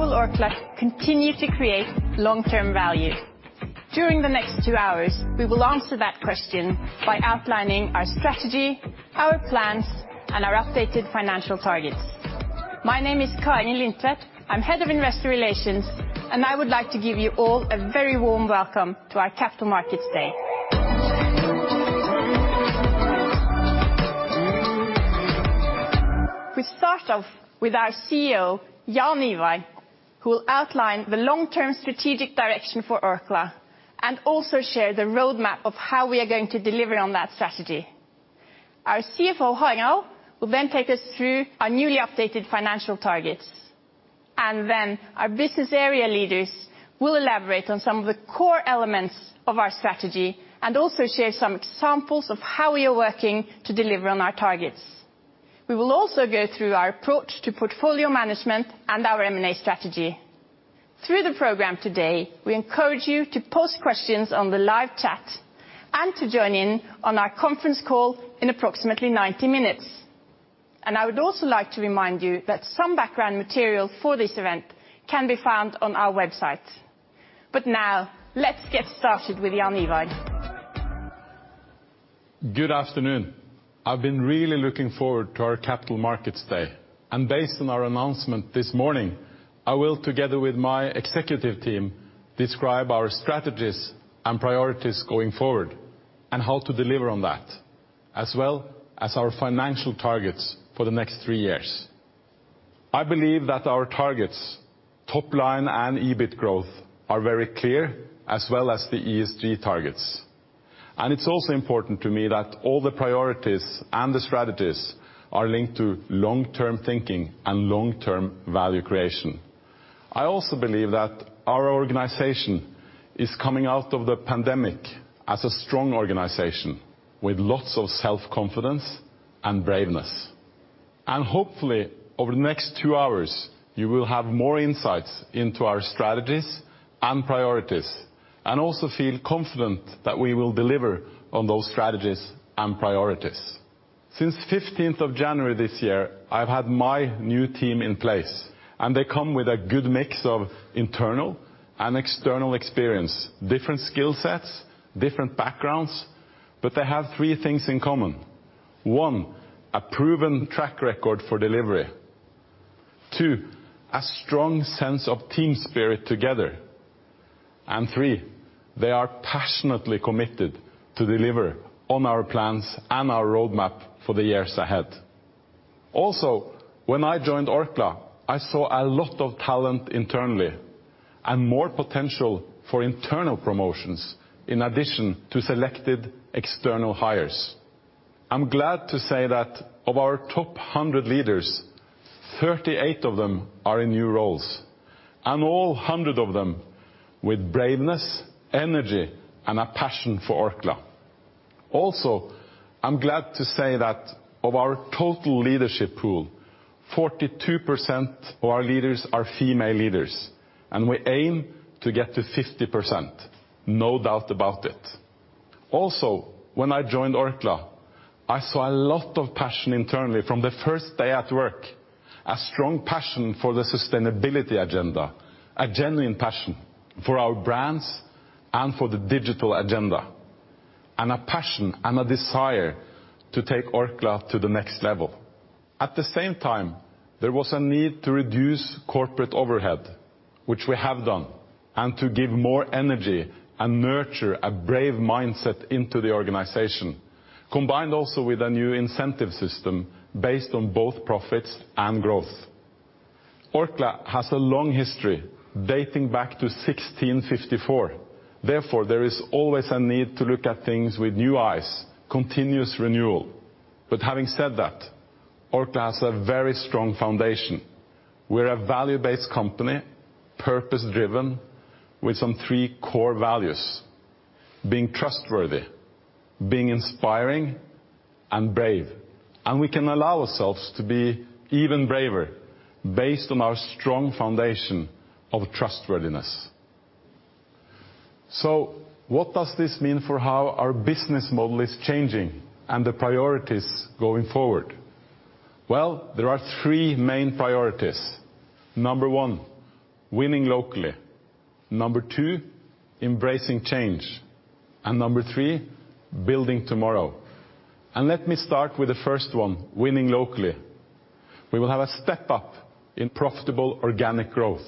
How will Orkla continue to create long-term value? During the next two hours, we will answer that question by outlining our strategy, our plans, and our updated financial targets. My name is Kari Lindtvedt. I'm Head of Investor Relations, and I would like to give you all a very warm welcome to our Capital Markets Day. We start off with our CEO, Jan Ivar, who will outline the long-term strategic direction for Orkla, and also share the roadmap of how we are going to deliver on that strategy. Our CFO, Harald, will then take us through our newly updated financial targets, and then our business area leaders will elaborate on some of the core elements of our strategy, and also share some examples of how we are working to deliver on our targets. We will also go through our approach to portfolio management and our M&A strategy. Through the program today, we encourage you to post questions on the live chat, and to join in on our conference call in approximately ninety minutes, and I would also like to remind you that some background material for this event can be found on our website, but now, let's get started with Jan Ivar. Good afternoon. I've been really looking forward to our Capital Markets Day, and based on our announcement this morning, I will, together with my executive team, describe our strategies and priorities going forward, and how to deliver on that, as well as our financial targets for the next three years. I believe that our targets, top line and EBIT growth, are very clear, as well as the ESG targets. And it's also important to me that all the priorities and the strategies are linked to long-term thinking and long-term value creation. I also believe that our organization is coming out of the pandemic as a strong organization, with lots of self-confidence and braveness. And hopefully, over the next two hours, you will have more insights into our strategies and priorities, and also feel confident that we will deliver on those strategies and priorities. Since 15th of January this year, I've had my new team in place, and they come with a good mix of internal and external experience, different skill sets, different backgrounds, but they have three things in common: one, a proven track record for delivery; two, a strong sense of team spirit together; and three, they are passionately committed to deliver on our plans and our roadmap for the years ahead. Also, when I joined Orkla, I saw a lot of talent internally, and more potential for internal promotions, in addition to selected external hires. I'm glad to say that of our top 100 leaders, 38 of them are in new roles, and all 100 of them with braveness, energy, and a passion for Orkla. Also, I'm glad to say that of our total leadership pool, 42% of our leaders are female leaders, and we aim to get to 50%, no doubt about it. Also, when I joined Orkla, I saw a lot of passion internally from the first day at work, a strong passion for the sustainability agenda, a genuine passion for our brands, and for the digital agenda, and a passion and a desire to take Orkla to the next level. At the same time, there was a need to reduce corporate overhead, which we have done, and to give more energy and nurture a brave mindset into the organization, combined also with a new incentive system based on both profits and growth. Orkla has a long history dating back to 1654. Therefore, there is always a need to look at things with new eyes, continuous renewal. But having said that, Orkla has a very strong foundation. We're a value-based company, purpose-driven, with some three core values: being trustworthy, being inspiring, and brave. And we can allow ourselves to be even braver, based on our strong foundation of trustworthiness. So what does this mean for how our business model is changing and the priorities going forward? Well, there are three main priorities. Number one, winning locally. Number two, embracing change. And number three, building tomorrow. And let me start with the first one, winning locally. We will have a step up in profitable organic growth.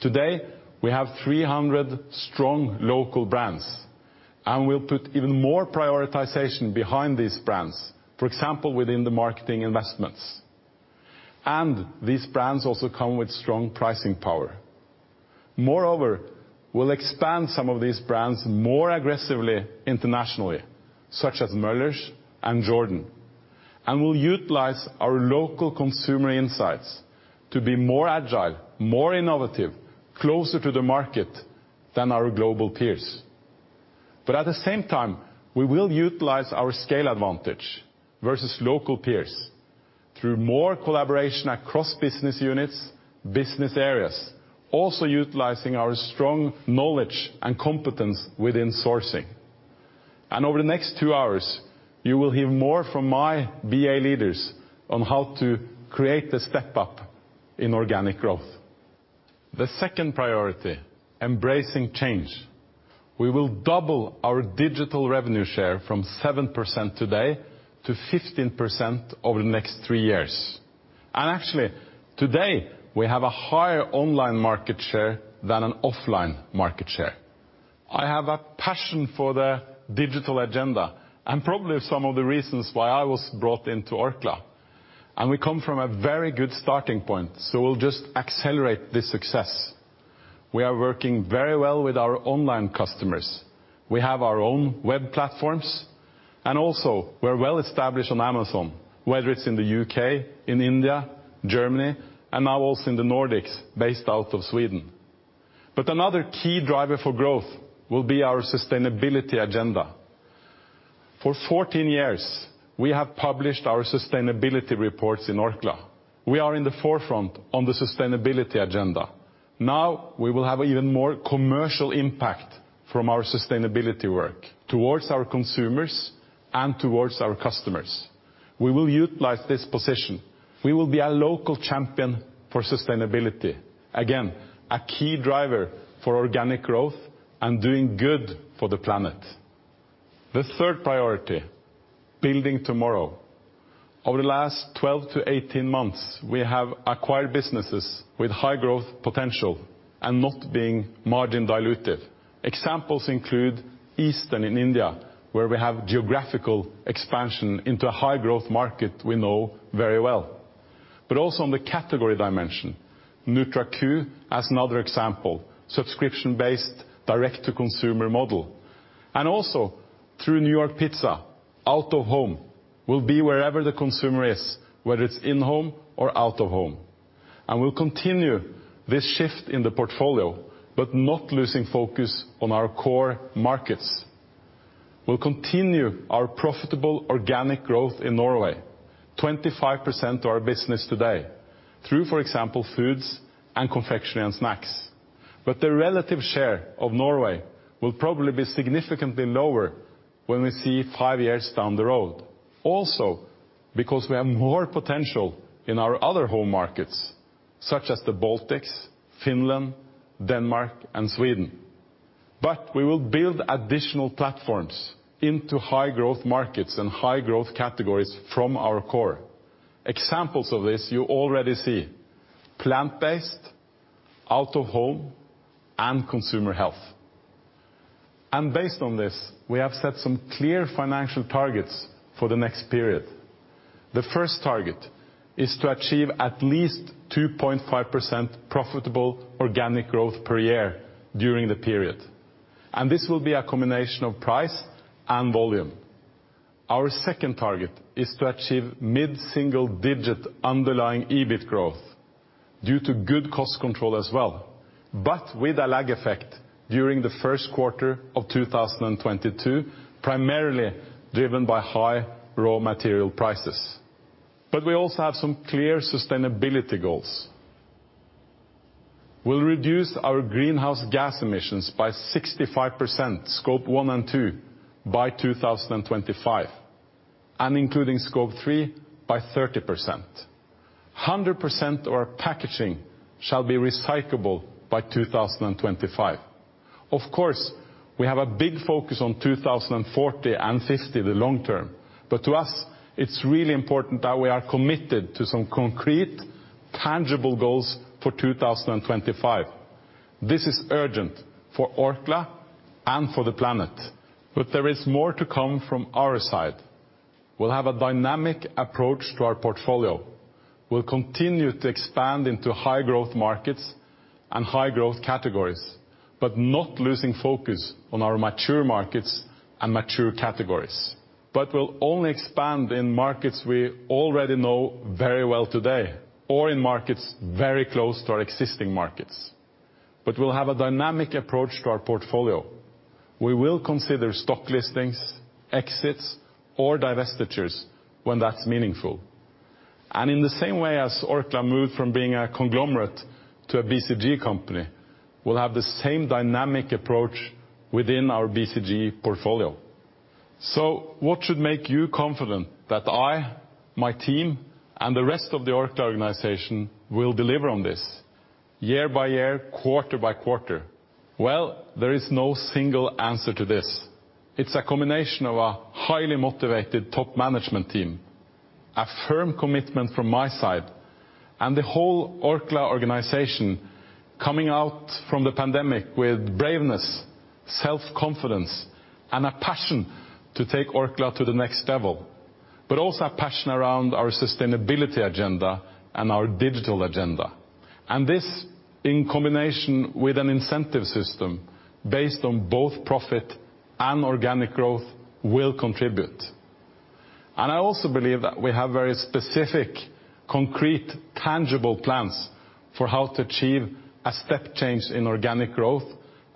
Today, we have 300 strong local brands, and we'll put even more prioritization behind these brands, for example, within the marketing investments. And these brands also come with strong pricing power. Moreover, we'll expand some of these brands more aggressively internationally, such as Møller's and Jordan, and we'll utilize our local consumer insights to be more agile, more innovative, closer to the market than our global peers. But at the same time, we will utilize our scale advantage versus local peers through more collaboration across business units, business areas, also utilizing our strong knowledge and competence within sourcing. And over the next two hours, you will hear more from my BA leaders on how to create the step up in organic growth. The second priority, embracing change. We will double our digital revenue share from 7% today to 15% over the next three years. And actually, today, we have a higher online market share than an offline market share. I have a passion for the digital agenda, and probably some of the reasons why I was brought into Orkla. And we come from a very good starting point, so we'll just accelerate this success. We are working very well with our online customers. We have our own web platforms, and also we're well established on Amazon, whether it's in the U.K., in India, Germany, and now also in the Nordics, based out of Sweden. But another key driver for growth will be our sustainability agenda. For fourteen years, we have published our sustainability reports in Orkla. We are in the forefront on the sustainability agenda. Now, we will have even more commercial impact from our sustainability work towards our consumers and towards our customers. We will utilize this position. We will be a local champion for sustainability. Again, a key driver for organic growth and doing good for the planet. The third priority, building tomorrow. Over the last 12-18 months, we have acquired businesses with high growth potential and not being margin dilutive. Examples include Eastern in India, where we have geographical expansion into a high-growth market we know very well, but also on the category dimension, NutraQ, as another example, subscription-based, direct-to-consumer model, and also through New York Pizza, out-of-home, will be wherever the consumer is, whether it's in-home or out-of-home, and we'll continue this shift in the portfolio, but not losing focus on our core markets. We'll continue our profitable organic growth in Norway, 25% of our business today, through, for example, foods and confectionery and snacks, but the relative share of Norway will probably be significantly lower when we see five years down the road. Also, because we have more potential in our other home markets, such as the Baltics, Finland, Denmark, and Sweden. But we will build additional platforms into high-growth markets and high-growth categories from our core. Examples of this you already see: plant-based, out-of-home, and consumer health. And based on this, we have set some clear financial targets for the next period. The first target is to achieve at least 2.5% profitable organic growth per year during the period, and this will be a combination of price and volume. Our second target is to achieve mid-single digit underlying EBIT growth due to good cost control as well, but with a lag effect during the first quarter of 2022, primarily driven by high raw material prices. But we also have some clear sustainability goals. We'll reduce our greenhouse gas emissions by 65%, Scope 1 and 2, by 2025, and including Scope 3, by 30%. 100% of our packaging shall be recyclable by 2025. Of course, we have a big focus on 2040 and 2050, the long term, but to us, it's really important that we are committed to some concrete, tangible goals for 2025. This is urgent for Orkla and for the planet, but there is more to come from our side. We'll have a dynamic approach to our portfolio. We'll continue to expand into high-growth markets and high-growth categories, but not losing focus on our mature markets and mature categories. But we'll only expand in markets we already know very well today, or in markets very close to our existing markets. But we'll have a dynamic approach to our portfolio. We will consider stock listings, exits, or divestitures when that's meaningful. In the same way as Orkla moved from being a conglomerate to a BCG company, we'll have the same dynamic approach within our BCG portfolio. What should make you confident that I, my team, and the rest of the Orkla organization will deliver on this, year by year, quarter by quarter? There is no single answer to this. It's a combination of a highly motivated top management team, a firm commitment from my side, and the whole Orkla organization coming out from the pandemic with braveness, self-confidence, and a passion to take Orkla to the next level, but also a passion around our sustainability agenda and our digital agenda. This, in combination with an incentive system based on both profit and organic growth, will contribute. I also believe that we have very specific, concrete, tangible plans for how to achieve a step change in organic growth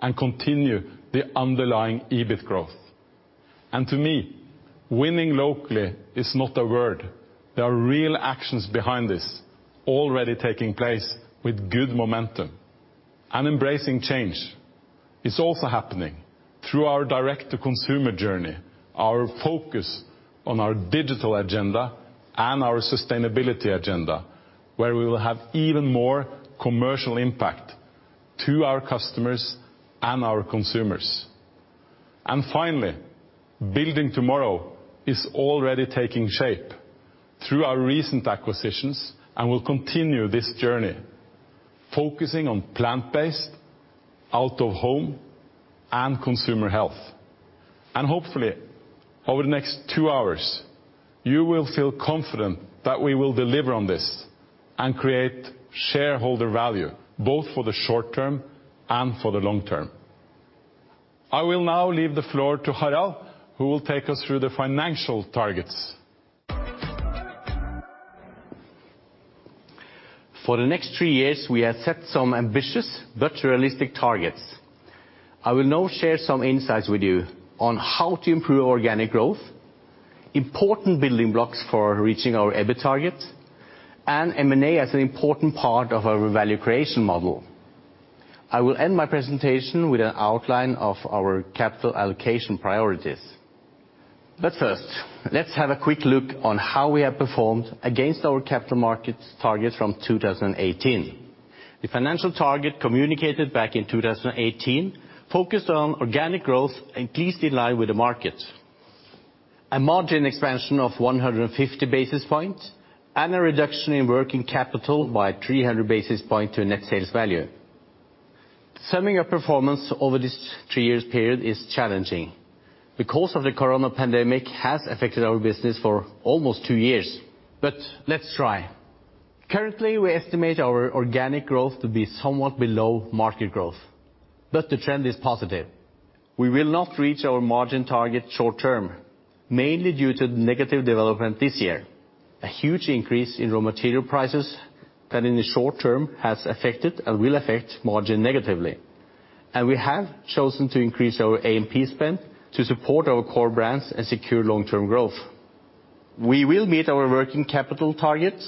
and continue the underlying EBIT growth. To me, winning locally is not a word. There are real actions behind this already taking place with good momentum... and embracing change is also happening through our direct-to-consumer journey, our focus on our digital agenda, and our sustainability agenda, where we will have even more commercial impact to our customers and our consumers. Finally, building tomorrow is already taking shape through our recent acquisitions, and we'll continue this journey, focusing on plant-based, out-of-home, and consumer health. Hopefully, over the next two hours, you will feel confident that we will deliver on this and create shareholder value, both for the short term and for the long term. I will now leave the floor to Harald, who will take us through the financial targets. For the next three years, we have set some ambitious but realistic targets. I will now share some insights with you on how to improve organic growth, important building blocks for reaching our EBIT target, and M&A as an important part of our value creation model. I will end my presentation with an outline of our capital allocation priorities, but first, let's have a quick look on how we have performed against our capital markets targets from two thousand and eighteen. The financial target communicated back in two thousand and eighteen focused on organic growth, at least in line with the market, a margin expansion of 150 basis points, and a reduction in working capital by 300 basis points to a net sales value. Summing our performance over this three-year period is challenging because of the coronavirus pandemic has affected our business for almost two years, but let's try. Currently, we estimate our organic growth to be somewhat below market growth, but the trend is positive. We will not reach our margin target short-term, mainly due to the negative development this year, a huge increase in raw material prices that in the short term has affected and will affect margin negatively, and we have chosen to increase our A&P spend to support our core brands and secure long-term growth. We will meet our working capital targets,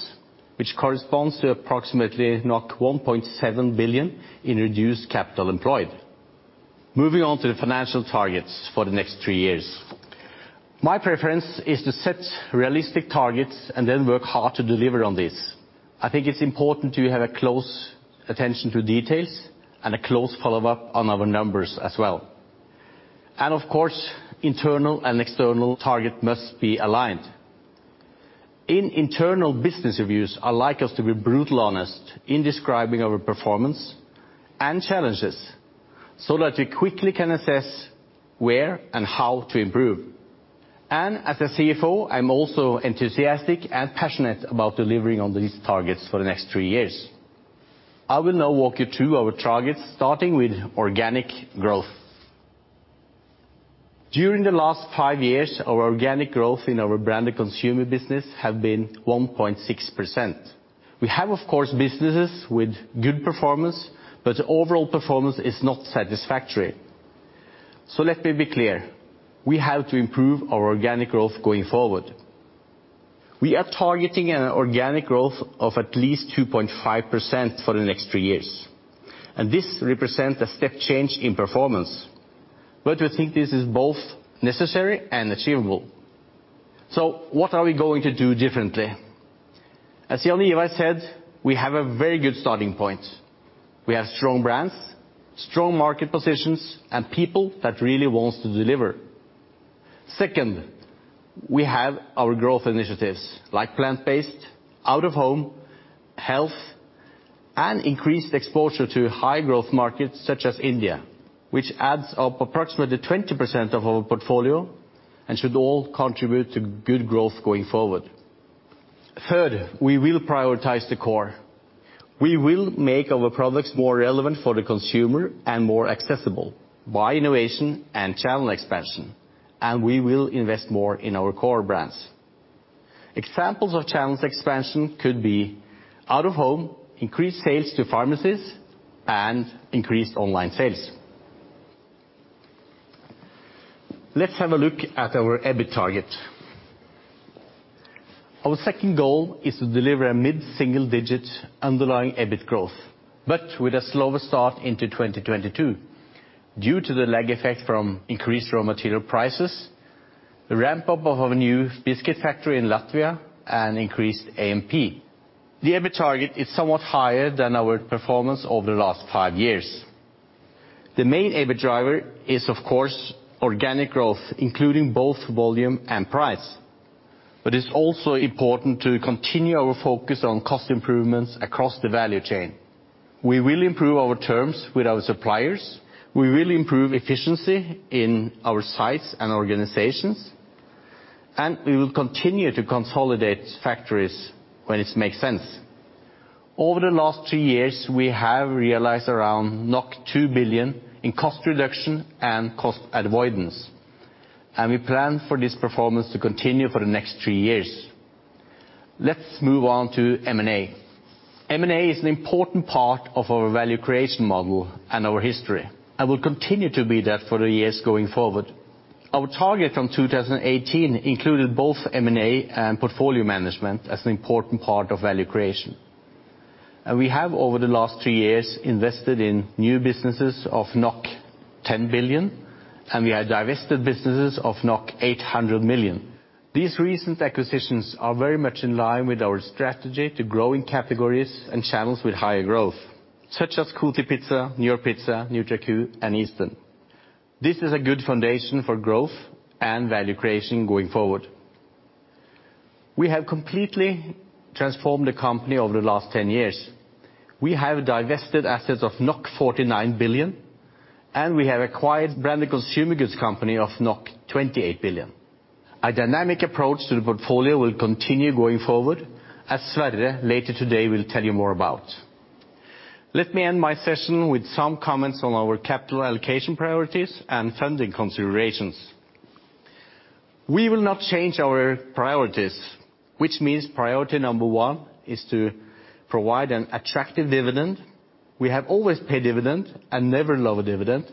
which corresponds to approximately 1.7 billion in reduced capital employed. Moving on to the financial targets for the next three years. My preference is to set realistic targets and then work hard to deliver on this. I think it's important to have a close attention to details and a close follow-up on our numbers as well, and of course, internal and external targets must be aligned. In internal business reviews, I like us to be brutally honest in describing our performance and challenges, so that we quickly can assess where and how to improve, and as a CFO, I'm also enthusiastic and passionate about delivering on these targets for the next three years. I will now walk you through our targets, starting with organic growth. During the last five years, our organic growth in our branded consumer business have been 1.6%. We have, of course, businesses with good performance, but the overall performance is not satisfactory, so let me be clear, we have to improve our organic growth going forward. We are targeting an organic growth of at least 2.5% for the next three years, and this represents a step change in performance. But we think this is both necessary and achievable. So what are we going to do differently? As Jan said, we have a very good starting point. We have strong brands, strong market positions, and people that really wants to deliver. Second, we have our growth initiatives, like plant-based, out-of-home, health, and increased exposure to high-growth markets such as India, which adds up approximately 20% of our portfolio and should all contribute to good growth going forward. Third, we will prioritize the core. We will make our products more relevant for the consumer and more accessible by innovation and channel expansion, and we will invest more in our core brands. Examples of channels expansion could be out-of-home, increased sales to pharmacies, and increased online sales. Let's have a look at our EBIT target. Our second goal is to deliver a mid-single digit underlying EBIT growth, but with a slower start into 2022, due to the lag effect from increased raw material prices, the ramp-up of our new biscuit factory in Latvia, and increased A&P. The EBIT target is somewhat higher than our performance over the last five years. The main EBIT driver is, of course, organic growth, including both volume and price, but it's also important to continue our focus on cost improvements across the value chain. We will improve our terms with our suppliers, we will improve efficiency in our sites and organizations, and we will continue to consolidate factories when it makes sense. Over the last three years, we have realized around 2 billion in cost reduction and cost avoidance, and we plan for this performance to continue for the next three years. Let's move on to M&A. M&A is an important part of our value creation model and our history, and will continue to be that for the years going forward. Our target from two thousand and eighteen included both M&A and portfolio management as an important part of value creation, and we have, over the last three years, invested in new businesses of 10 billion, and we have divested businesses of 800 million. These recent acquisitions are very much in line with our strategy to grow in categories and channels with higher growth, such as Kotipizza, New York Pizza, NutraQ, and Eastern. This is a good foundation for growth and value creation going forward. We have completely transformed the company over the last ten years. We have divested assets of 49 billion, and we have acquired branded consumer goods company of 28 billion. A dynamic approach to the portfolio will continue going forward, as Sverre, later today, will tell you more about. Let me end my session with some comments on our capital allocation priorities and funding considerations. We will not change our priorities, which means priority number one is to provide an attractive dividend. We have always paid dividend and never low dividend,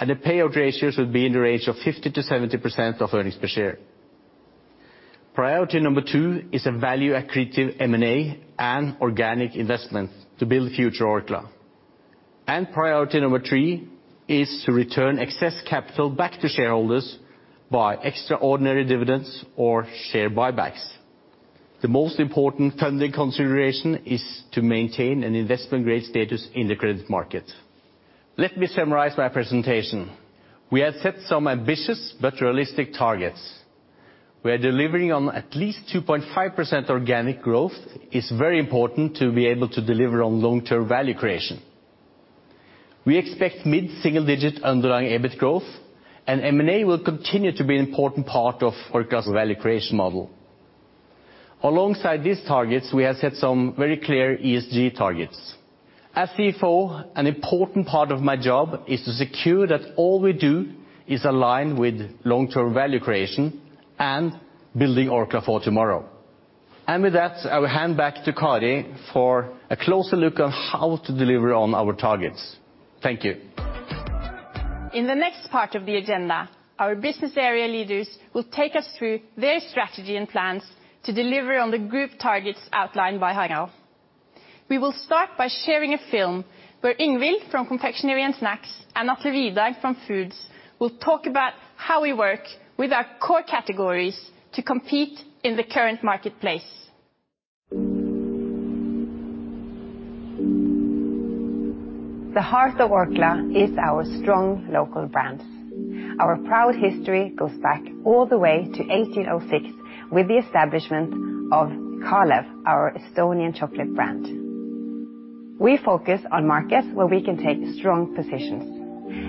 and the payout ratios will be in the range of 50%-70% of earnings per share. Priority number two is a value accretive M&A and organic investment to build the future Orkla, and priority number three is to return excess capital back to shareholders by extraordinary dividends or share buybacks. The most important funding consideration is to maintain an investment grade status in the credit market. Let me summarize my presentation. We have set some ambitious but realistic targets. We are delivering on at least 2.5% organic growth, is very important to be able to deliver on long-term value creation. We expect mid-single-digit underlying EBIT growth, and M&A will continue to be an important part of Orkla's value creation model. Alongside these targets, we have set some very clear ESG targets. As CFO, an important part of my job is to secure that all we do is aligned with long-term value creation and building Orkla for tomorrow. And with that, I will hand back to Kari for a closer look on how to deliver on our targets. Thank you. In the next part of the agenda, our business area leaders will take us through their strategy and plans to deliver on the group targets outlined by Harald. We will start by sharing a film where Ingvill, from Confectionery and Snacks, and Atle Vidar, from Foods, will talk about how we work with our core categories to compete in the current marketplace. The heart of Orkla is our strong local brands. Our proud history goes back all the way to 1806, with the establishment of Kalev, our Estonian chocolate brand. We focus on markets where we can take strong positions,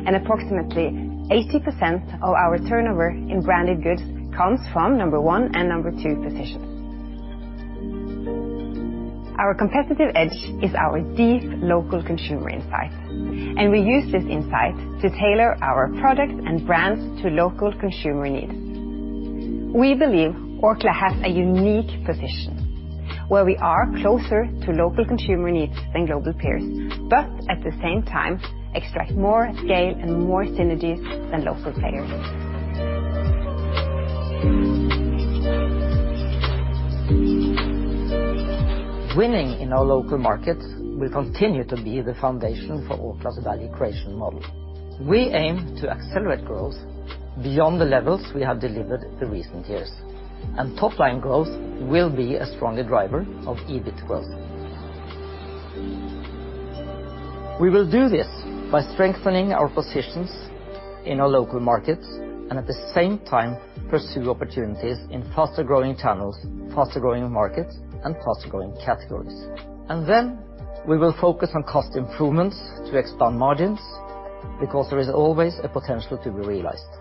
and approximately 80% of our turnover in branded goods comes from number one and number two positions. Our competitive edge is our deep local consumer insight, and we use this insight to tailor our products and brands to local consumer needs. We believe Orkla has a unique position, where we are closer to local consumer needs than global peers, but at the same time, extract more scale and more synergies than local players. Winning in our local markets will continue to be the foundation for Orkla's value creation model. We aim to accelerate growth beyond the levels we have delivered in recent years, and top-line growth will be a stronger driver of EBIT growth. We will do this by strengthening our positions in our local markets, and at the same time, pursue opportunities in faster-growing channels, faster-growing markets, and faster-growing categories, and then we will focus on cost improvements to expand margins, because there is always a potential to be realized.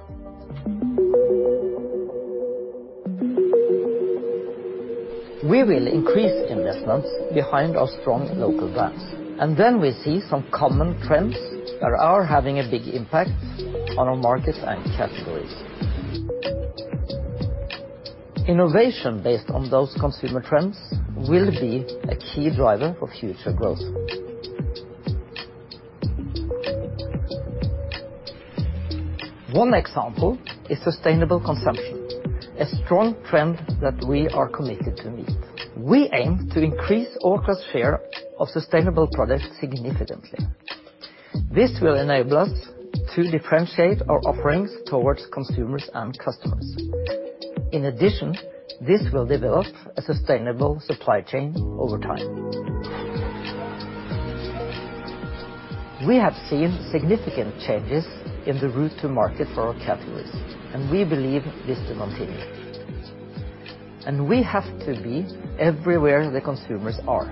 We will increase investments behind our strong local brands, and then we see some common trends that are having a big impact on our markets and categories. Innovation based on those consumer trends will be a key driver of future growth. One example is sustainable consumption, a strong trend that we are committed to meet. We aim to increase Orkla's share of sustainable products significantly. This will enable us to differentiate our offerings towards consumers and customers. In addition, this will develop a sustainable supply chain over time. We have seen significant changes in the route to market for our categories, and we believe this to continue, and we have to be everywhere the consumers are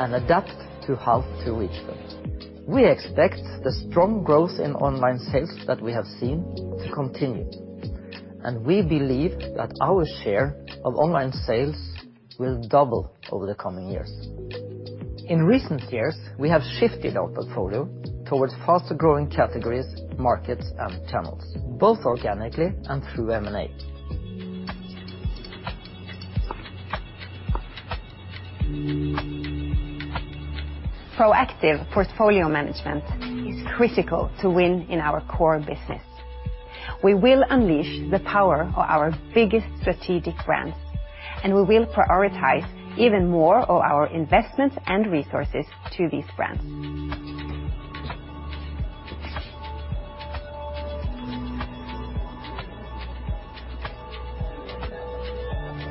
and adapt to how to reach them. We expect the strong growth in online sales that we have seen to continue, and we believe that our share of online sales will double over the coming years. In recent years, we have shifted our portfolio towards faster-growing categories, markets, and channels, both organically and through M&A. Proactive portfolio management is critical to win in our core business. We will unleash the power of our biggest strategic brands, and we will prioritize even more of our investments and resources to these brands.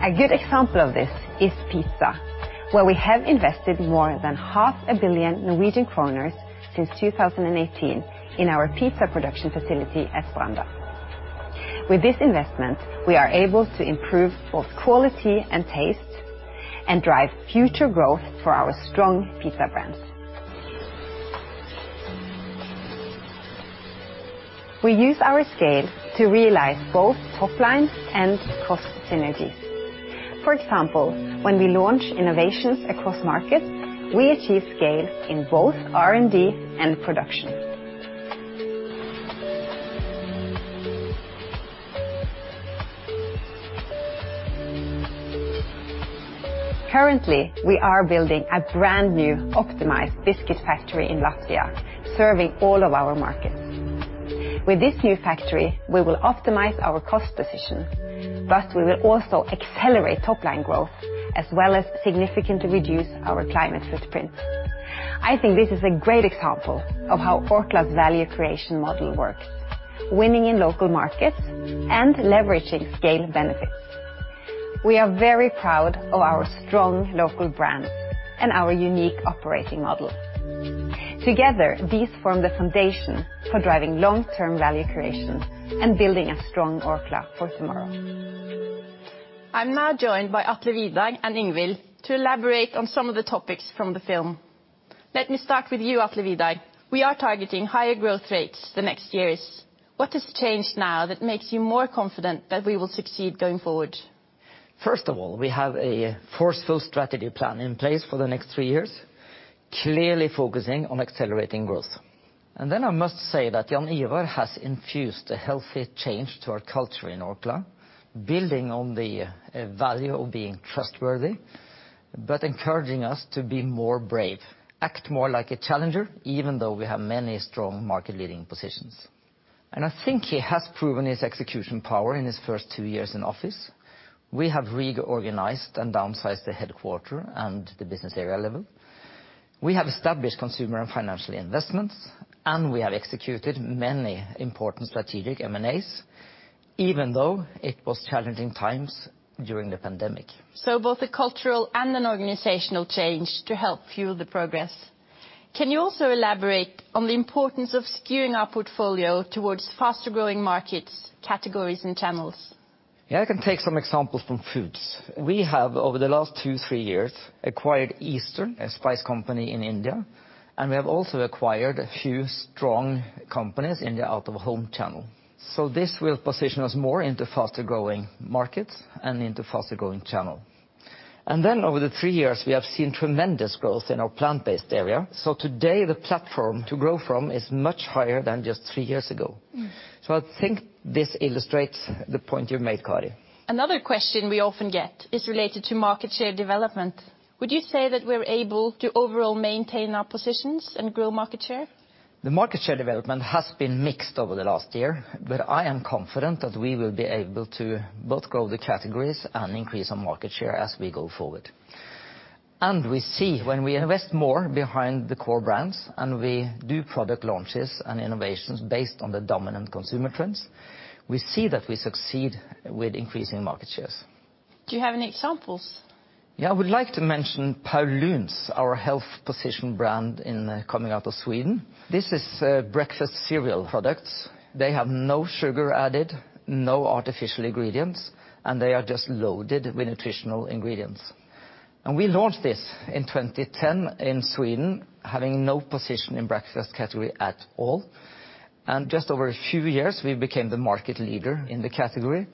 A good example of this is pizza, where we have invested more than 500 million Norwegian kroner since 2018 in our pizza production facility at Stranda. With this investment, we are able to improve both quality and taste, and drive future growth for our strong pizza brands. We use our scale to realize both top line and cost synergies. For example, when we launch innovations across markets, we achieve scale in both R&D and production. Currently, we are building a brand new optimized biscuit factory in Latvia, serving all of our markets. With this new factory, we will optimize our cost position, but we will also accelerate top line growth, as well as significantly reduce our climate footprint. I think this is a great example of how Orkla's value creation model works, winning in local markets and leveraging scale benefits. We are very proud of our strong local brands and our unique operating model. Together, these form the foundation for driving long-term value creation and building a strong Orkla for tomorrow. I'm now joined by Atle Vidar and Ingvill to elaborate on some of the topics from the film. Let me start with you, Atle Vidar. We are targeting higher growth rates the next years. What has changed now that makes you more confident that we will succeed going forward? First of all, we have a forceful strategy plan in place for the next three years, clearly focusing on accelerating growth. Then I must say that Jan Ivar has infused a healthy change to our culture in Orkla, building on the value of being trustworthy, but encouraging us to be more brave, act more like a challenger, even though we have many strong market-leading positions. I think he has proven his execution power in his first two years in office. We have reorganized and downsized the headquarters and the business area level. We have established Consumer and Financial Investments, and we have executed many important strategic M&As, even though it was challenging times during the pandemic. So both a cultural and an organizational change to help fuel the progress. Can you also elaborate on the importance of skewing our portfolio towards faster growing markets, categories, and channels? Yeah, I can take some examples from foods. We have, over the last two, three years, acquired Eastern, a spice company in India, and we have also acquired a few strong companies in the out-of-home channel. So this will position us more into faster growing markets and into faster growing channel. And then over the three years, we have seen tremendous growth in our plant-based area. So today, the platform to grow from is much higher than just three years ago. So I think this illustrates the point you've made, Kari. Another question we often get is related to market share development. Would you say that we're able to overall maintain our positions and grow market share? The market share development has been mixed over the last year, but I am confident that we will be able to both grow the categories and increase our market share as we go forward, and we see when we invest more behind the core brands, and we do product launches and innovations based on the dominant consumer trends, we see that we succeed with increasing market shares. Do you have any examples? Yeah, I would like to mention Paulúns, our health position brand in, coming out of Sweden. This is breakfast cereal products. They have no sugar added, no artificial ingredients, and they are just loaded with nutritional ingredients. And we launched this in 2010 in Sweden, having no position in breakfast category at all. And just over a few years, we became the market leader in the category,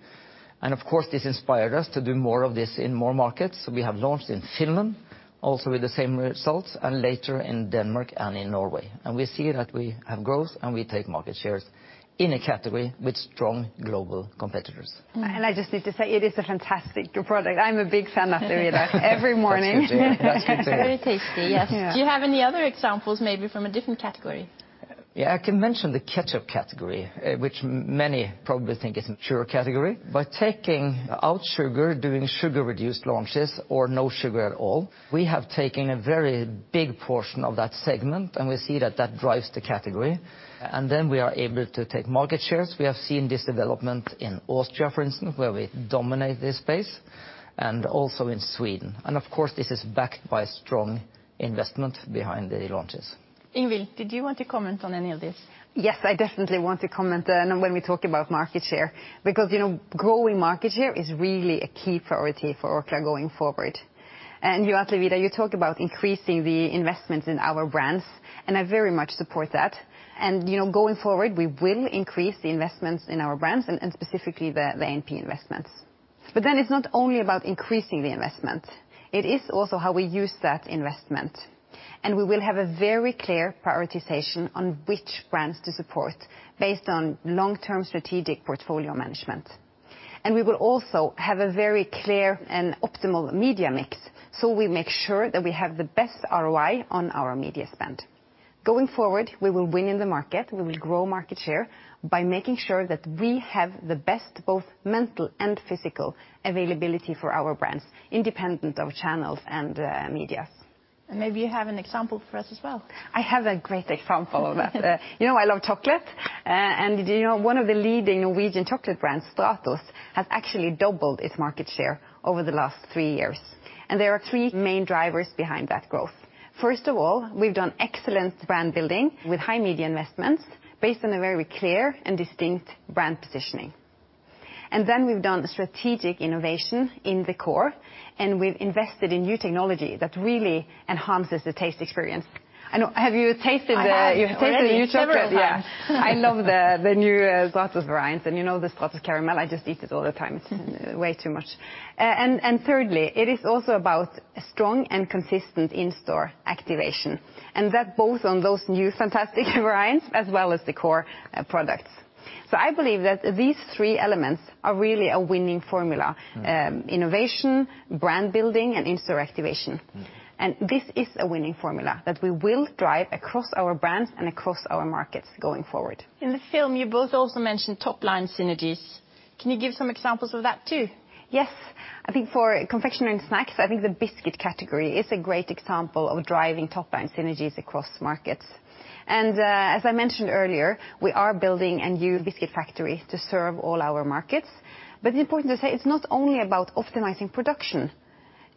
and of course, this inspired us to do more of this in more markets. We have launched in Finland, also with the same results, and later in Denmark and in Norway. And we see that we have growth, and we take market shares in a category with strong global competitors. I just need to say, it is a fantastic product. I'm a big fan, Atle Vidar. Every morning. That's good to hear. That's good to hear. Very tasty, yes. Yeah. Do you have any other examples, maybe from a different category? Yeah, I can mention the ketchup category, which many probably think is a mature category. By taking out sugar, doing sugar-reduced launches or no sugar at all, we have taken a very big portion of that segment, and we see that that drives the category, and then we are able to take market shares. We have seen this development in Austria, for instance, where we dominate this space, and also in Sweden, and of course, this is backed by strong investment behind the launches. Ingvill, did you want to comment on any of this? Yes, I definitely want to comment on when we talk about market share, because, you know, growing market share is really a key priority for Orkla going forward. And you, Atle Vidar, you talk about increasing the investment in our brands, and I very much support that. And, you know, going forward, we will increase the investments in our brands and specifically the NP investments. But then it's not only about increasing the investment, it is also how we use that investment, and we will have a very clear prioritization on which brands to support based on long-term strategic portfolio management, and we will also have a very clear and optimal media mix, so we make sure that we have the best ROI on our media spend. Going forward, we will win in the market, we will grow market share by making sure that we have the best, both mental and physical, availability for our brands independent of channels and media. Maybe you have an example for us as well? I have a great example of that. You know I love chocolate, and do you know one of the leading Norwegian chocolate brands, Stratos, has actually doubled its market share over the last three years, and there are three main drivers behind that growth. First of all, we've done excellent brand building with high media investments based on a very clear and distinct brand positioning, and then we've done strategic innovation in the core, and we've invested in new technology that really enhances the taste experience. I know, have you tasted the. I have already- You've tasted the new chocolate? Several times. Yeah, I love the new Stratos brands, and you know the Stratos caramel. I just eat it all the time. Way too much. Thirdly, it is also about strong and consistent in-store activation, and that both on those new fantastic brands, as well as the core products. So I believe that these three elements are really a winning formula: innovation, brand building, and in-store activation. This is a winning formula that we will drive across our brands and across our markets going forward. In the film, you both also mentioned top line synergies. Can you give some examples of that, too? Yes. I think for confectionery snacks, I think the biscuit category is a great example of driving top line synergies across markets. And, as I mentioned earlier, we are building a new biscuit factory to serve all our markets. But it's important to say it's not only about optimizing production,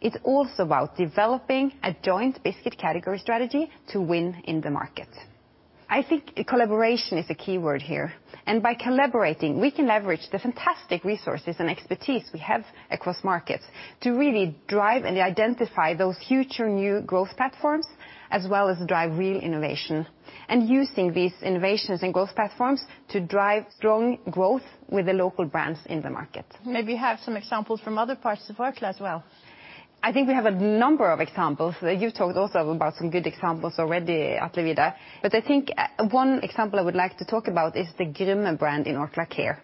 it's also about developing a joint biscuit category strategy to win in the market. I think collaboration is the key word here, and by collaborating, we can leverage the fantastic resources and expertise we have across markets to really drive and identify those future new growth platforms, as well as drive real innovation, and using these innovations and growth platforms to drive strong growth with the local brands in the market. Maybe you have some examples from other parts of Orkla as well? I think we have a number of examples. You talked also about some good examples already, Atle Vidar, but I think, one example I would like to talk about is the Grumme brand in Orkla Care.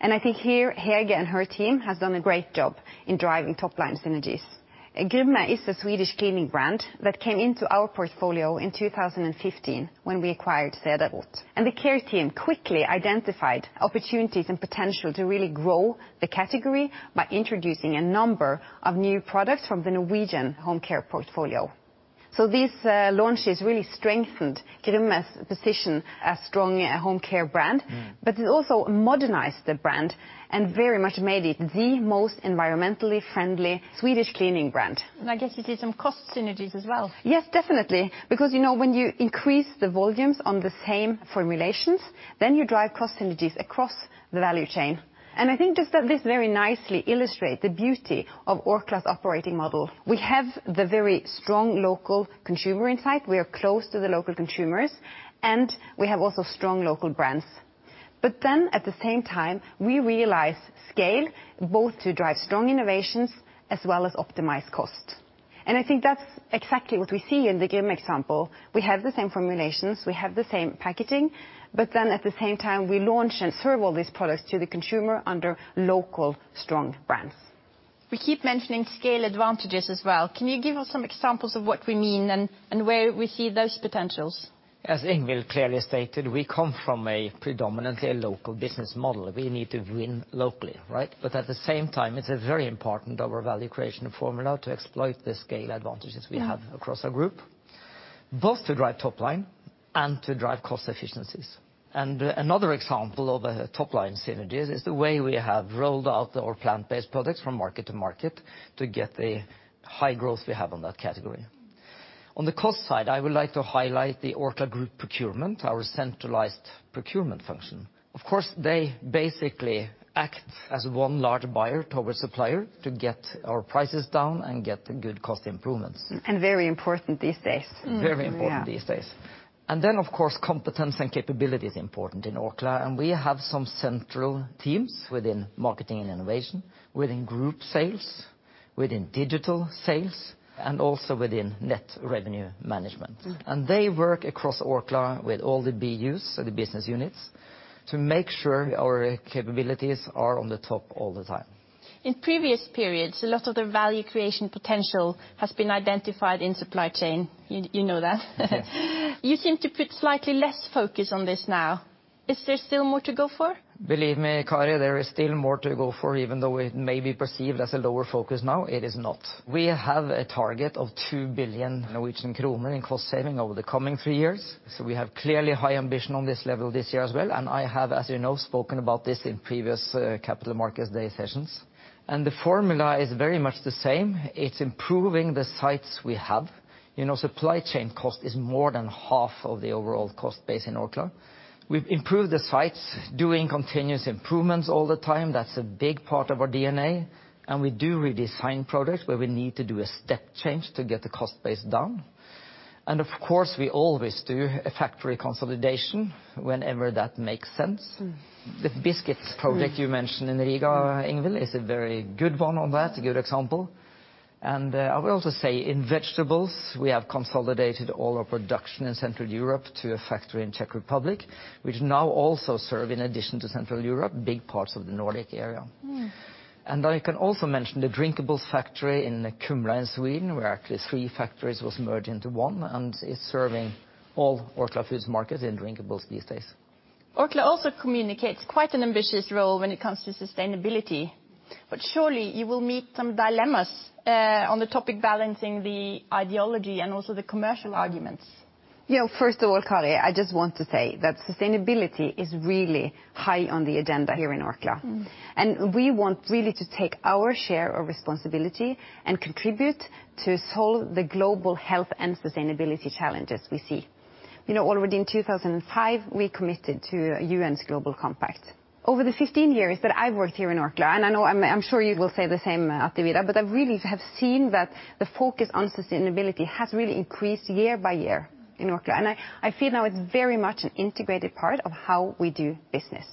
And I think here, Hege and her team has done a great job in driving top line synergies. Grumme is a Swedish cleaning brand that came into our portfolio in 2015 when we acquired Cederroth, and the Care team quickly identified opportunities and potential to really grow the category by introducing a number of new products from the Norwegian home Care portfolio. So these, launches really strengthened Grumme's position as strong home Care brand. But it also modernized the brand, and very much made it the most environmentally friendly Swedish cleaning brand. I guess you see some cost synergies as well? Yes, definitely, because, you know, when you increase the volumes on the same formulations, then you drive cost synergies across the value chain. And I think just that this very nicely illustrate the beauty of Orkla's operating model. We have the very strong local consumer insight, we are close to the local consumers, and we have also strong local brands. But then at the same time, we realize scale, both to drive strong innovations as well as optimize cost, and I think that's exactly what we see in the Grumme example. We have the same formulations, we have the same packaging, but then at the same time, we launch and serve all these products to the consumer under local strong brands. We keep mentioning scale advantages as well. Can you give us some examples of what we mean and where we see those potentials? As Ingvill clearly stated, we come from a predominantly local business model. We need to win locally, right, but at the same time, it's a very important, our value creation formula, to exploit the scale advantages we have across our group, both to drive top line and to drive cost efficiencies. And another example of a top line synergies is the way we have rolled out our plant-based products from market to market to get the high growth we have on that category. On the cost side, I would like to highlight the Orkla Group Procurement, our centralized procurement function. Of course, they basically act as one large buyer to our supplier to get our prices down and get the good cost improvements. Very important these days. Very important these days. Yeah. Then, of course, competence and capability is important in Orkla, and we have some central teams within marketing and innovation, within group sales, within digital sales, and also within net revenue management. They work across Orkla with all the BUs, so the business units, to make sure our capabilities are on the top all the time. In previous periods, a lot of the value creation potential has been identified in supply chain. You know that. You seem to put slightly less focus on this now. Is there still more to go for? Believe me, Kari, there is still more to go for, even though it may be perceived as a lower focus now, it is not. We have a target of 2 billion Norwegian kroner in cost saving over the coming three years, so we have clearly high ambition on this level this year as well, and I have, as you know, spoken about this in previous Capital Markets Day sessions, and the formula is very much the same. It's improving the sites we have. You know, supply chain cost is more than half of the overall cost base in Orkla. We've improved the sites, doing continuous improvements all the time. That's a big part of our DNA, and we do redesign products where we need to do a step change to get the cost base down, and of course, we always do a factory consolidation whenever that makes sense. The biscuit project you mentioned in Riga, Ingvill, is a very good one on that, a good example. And, I will also say in vegetables, we have consolidated all our production in Central Europe to a factory in Czech Republic, which now also serve, in addition to Central Europe, big parts of the Nordic area. I can also mention the drinkables factory in Kumla in Sweden, where actually three factories was merged into one, and it's serving all Orkla Foods markets in drinkables these days. Orkla also communicates quite an ambitious role when it comes to sustainability, but surely you will meet some dilemmas on the topic balancing the ideology and also the commercial arguments. Yeah, first of all, Kari, I just want to say that sustainability is really high on the agenda here in Orkla. And we want really to take our share of responsibility and contribute to solve the global health and sustainability challenges we see. You know, already in 2005, we committed to UN's Global Compact. Over the 15 years that I've worked here in Orkla, and I know. I'm sure you will say the same, Atle Vidar, but I really have seen that the focus on sustainability has really increased year by year in Orkla. And I feel now it's very much an integrated part of how we do business.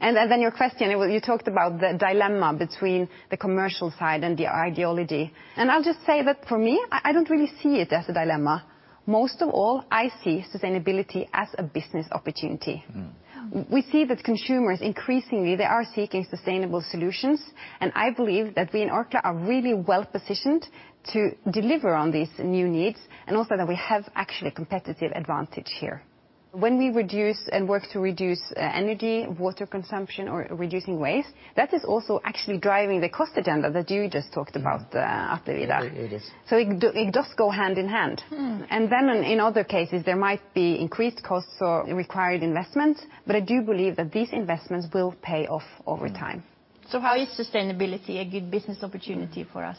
Then your question. Well, you talked about the dilemma between the commercial side and the ideology, and I'll just say that for me, I don't really see it as a dilemma. Most of all, I see sustainability as a business opportunity. We see that consumers, increasingly, they are seeking sustainable solutions, and I believe that we in Orkla are really well positioned to deliver on these new needs, and also that we have actually competitive advantage here. When we reduce and work to reduce, energy, water consumption, or reducing waste, that is also actually driving the cost agenda that you just talked about, Atle Vidar. It is. It does go hand in hand. And then in other cases, there might be increased costs or required investment, but I do believe that these investments will pay off over time. Mm. So how is sustainability a good business opportunity for us?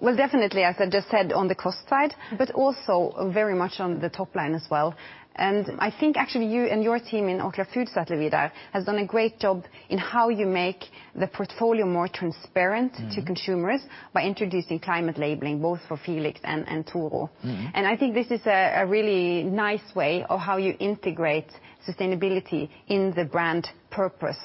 Well, definitely, as I just said, on the cost side, but also very much on the top line as well. And I think actually, you and your team in Orkla Foods, Atle Vidar, has done a great job in how you make the portfolio more transparent to consumers by introducing climate labeling, both for Felix and Toro. I think this is a really nice way of how you integrate sustainability in the brand purpose.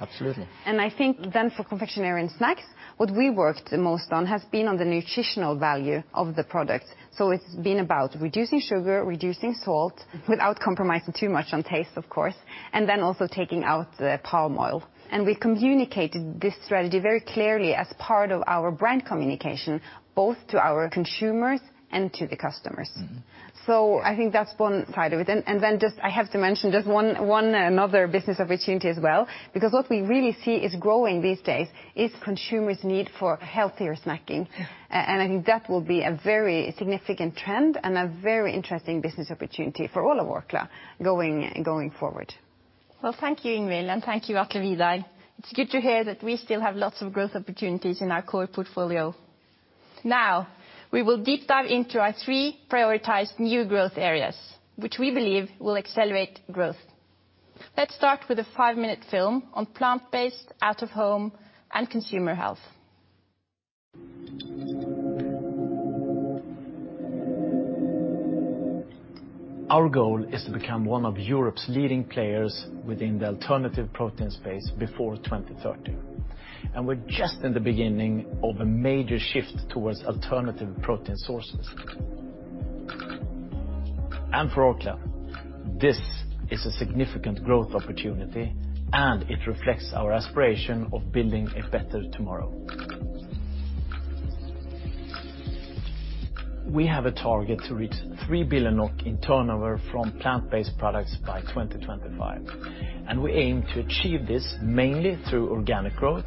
Absolutely. And I think then for confectionery and snacks, what we worked the most on has been on the nutritional value of the product. So it's been about reducing sugar, reducing salt, without compromising too much on taste, of course, and then also taking out the palm oil. And we communicated this strategy very clearly as part of our brand communication, both to our consumers and to the customers. I think that's one side of it. I have to mention just one other business opportunity as well, because what we really see is growing these days is consumers' need for healthier snacking. I think that will be a very significant trend and a very interesting business opportunity for all of Orkla going forward. Thank you, Ingvill and thank you, Atle Vidar. It's good to hear that we still have lots of growth opportunities in our core portfolio. Now, we will deep dive into our three prioritized new growth areas, which we believe will accelerate growth. Let's start with a five-minute film on plant-based, out-of-home, and consumer health. Our goal is to become one of Europe's leading players within the alternative protein space before 2030, and we're just in the beginning of a major shift towards alternative protein sources. And for Orkla, this is a significant growth opportunity, and it reflects our aspiration of building a better tomorrow. We have a target to reach 3 billion NOK in turnover from plant-based products by 2025, and we aim to achieve this mainly through organic growth,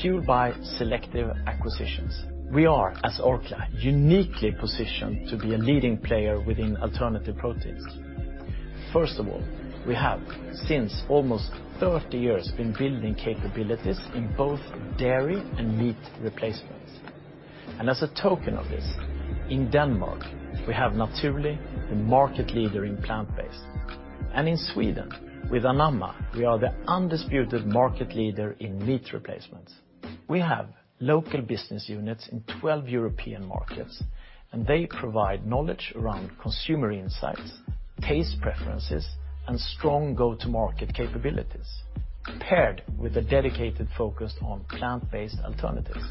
fueled by selective acquisitions. We are, as Orkla, uniquely positioned to be a leading player within alternative proteins. First of all, we have, since almost thirty years, been building capabilities in both dairy and meat replacements. And as a token of this, in Denmark, we have Naturli', the market leader in plant-based. And in Sweden, with Anamma, we are the undisputed market leader in meat replacements. We have local business units in twelve European markets, and they provide knowledge around consumer insights, taste preferences, and strong go-to-market capabilities, paired with a dedicated focus on plant-based alternatives.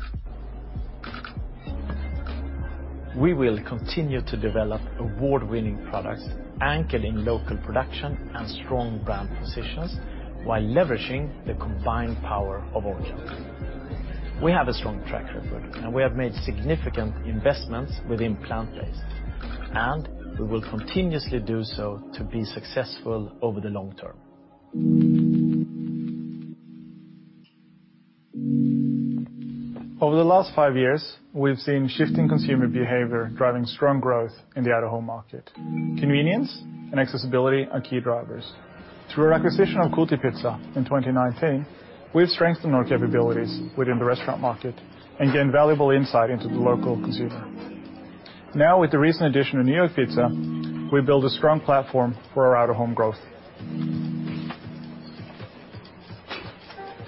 We will continue to develop award-winning products anchored in local production and strong brand positions while leveraging the combined power of Orkla. We have a strong track record, and we have made significant investments within plant-based, and we will continuously do so to be successful over the long term. Over the last five years, we've seen shifting consumer behavior driving strong growth in the out-of-home market. Convenience and accessibility are key drivers. Through our acquisition of Kotipizza in 2019, we've strengthened our capabilities within the restaurant market and gained valuable insight into the local consumer. Now, with the recent addition of New York Pizza, we've built a strong platform for our out-of-home growth.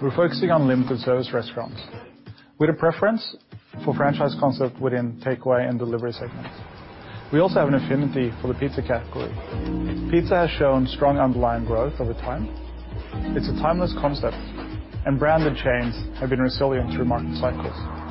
We're focusing on limited service restaurants, with a preference for franchise concept within takeaway and delivery segments. We also have an affinity for the pizza category. Pizza has shown strong underlying growth over time. It's a timeless concept, and branded chains have been resilient through market cycles.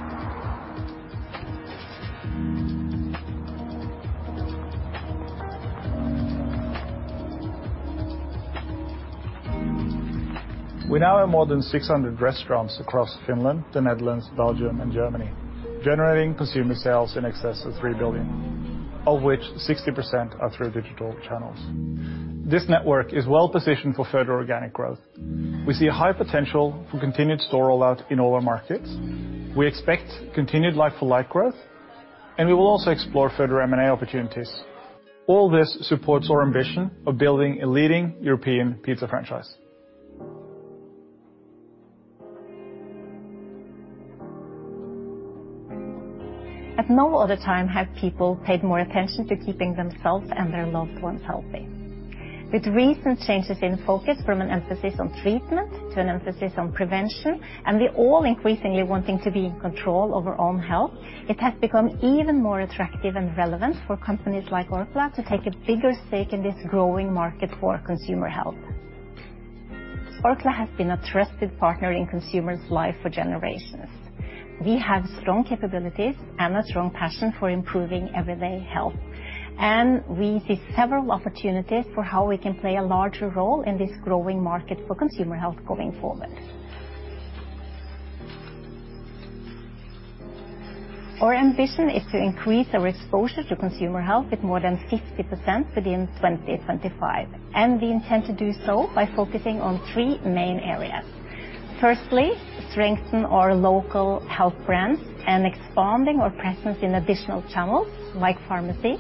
We now have more than 600 restaurants across Finland, the Netherlands, Belgium, and Germany, generating consumer sales in excess of 3 billion, of which 60% are through digital channels. This network is well positioned for further organic growth. We see a high potential for continued store rollout in all our markets. We expect continued like-for-like growth, and we will also explore further M&A opportunities. All this supports our ambition of building a leading European pizza franchise. At no other time have people paid more attention to keeping themselves and their loved ones healthy. With recent changes in focus from an emphasis on treatment to an emphasis on prevention, and we're all increasingly wanting to be in control of our own health, it has become even more attractive and relevant for companies like Orkla to take a bigger stake in this growing market for consumer health. Orkla has been a trusted partner in consumers' life for generations. We have strong capabilities and a strong passion for improving everyday health, and we see several opportunities for how we can play a larger role in this growing market for consumer health going forward. Our ambition is to increase our exposure to consumer health with more than 50% within 2025, and we intend to do so by focusing on three main areas. Firstly, strengthen our local health brands and expanding our presence in additional channels, like pharmacies.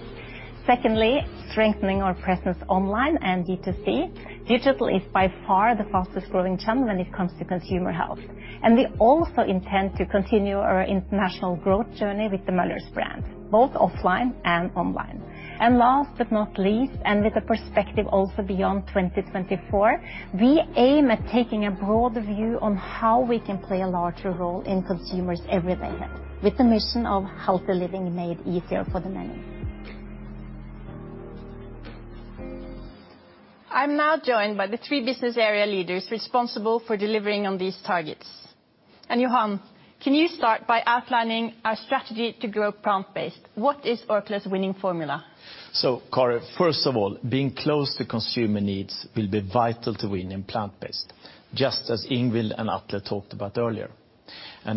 Secondly, strengthening our presence online and D2C. Digital is by far the fastest growing channel when it comes to consumer health, and we also intend to continue our international growth journey with the Möller's brand, both offline and online, and last, but not least, and with a perspective also beyond 2024, we aim at taking a broader view on how we can play a larger role in consumers' everyday health, with the mission of healthier living made easier for the many. I'm now joined by the three business area leaders responsible for delivering on these targets. Johan, can you start by outlining our strategy to grow plant-based? What is Orkla's winning formula? Kari, first of all, being close to consumer needs will be vital to winning plant-based, just as Ingvill and Atle talked about earlier.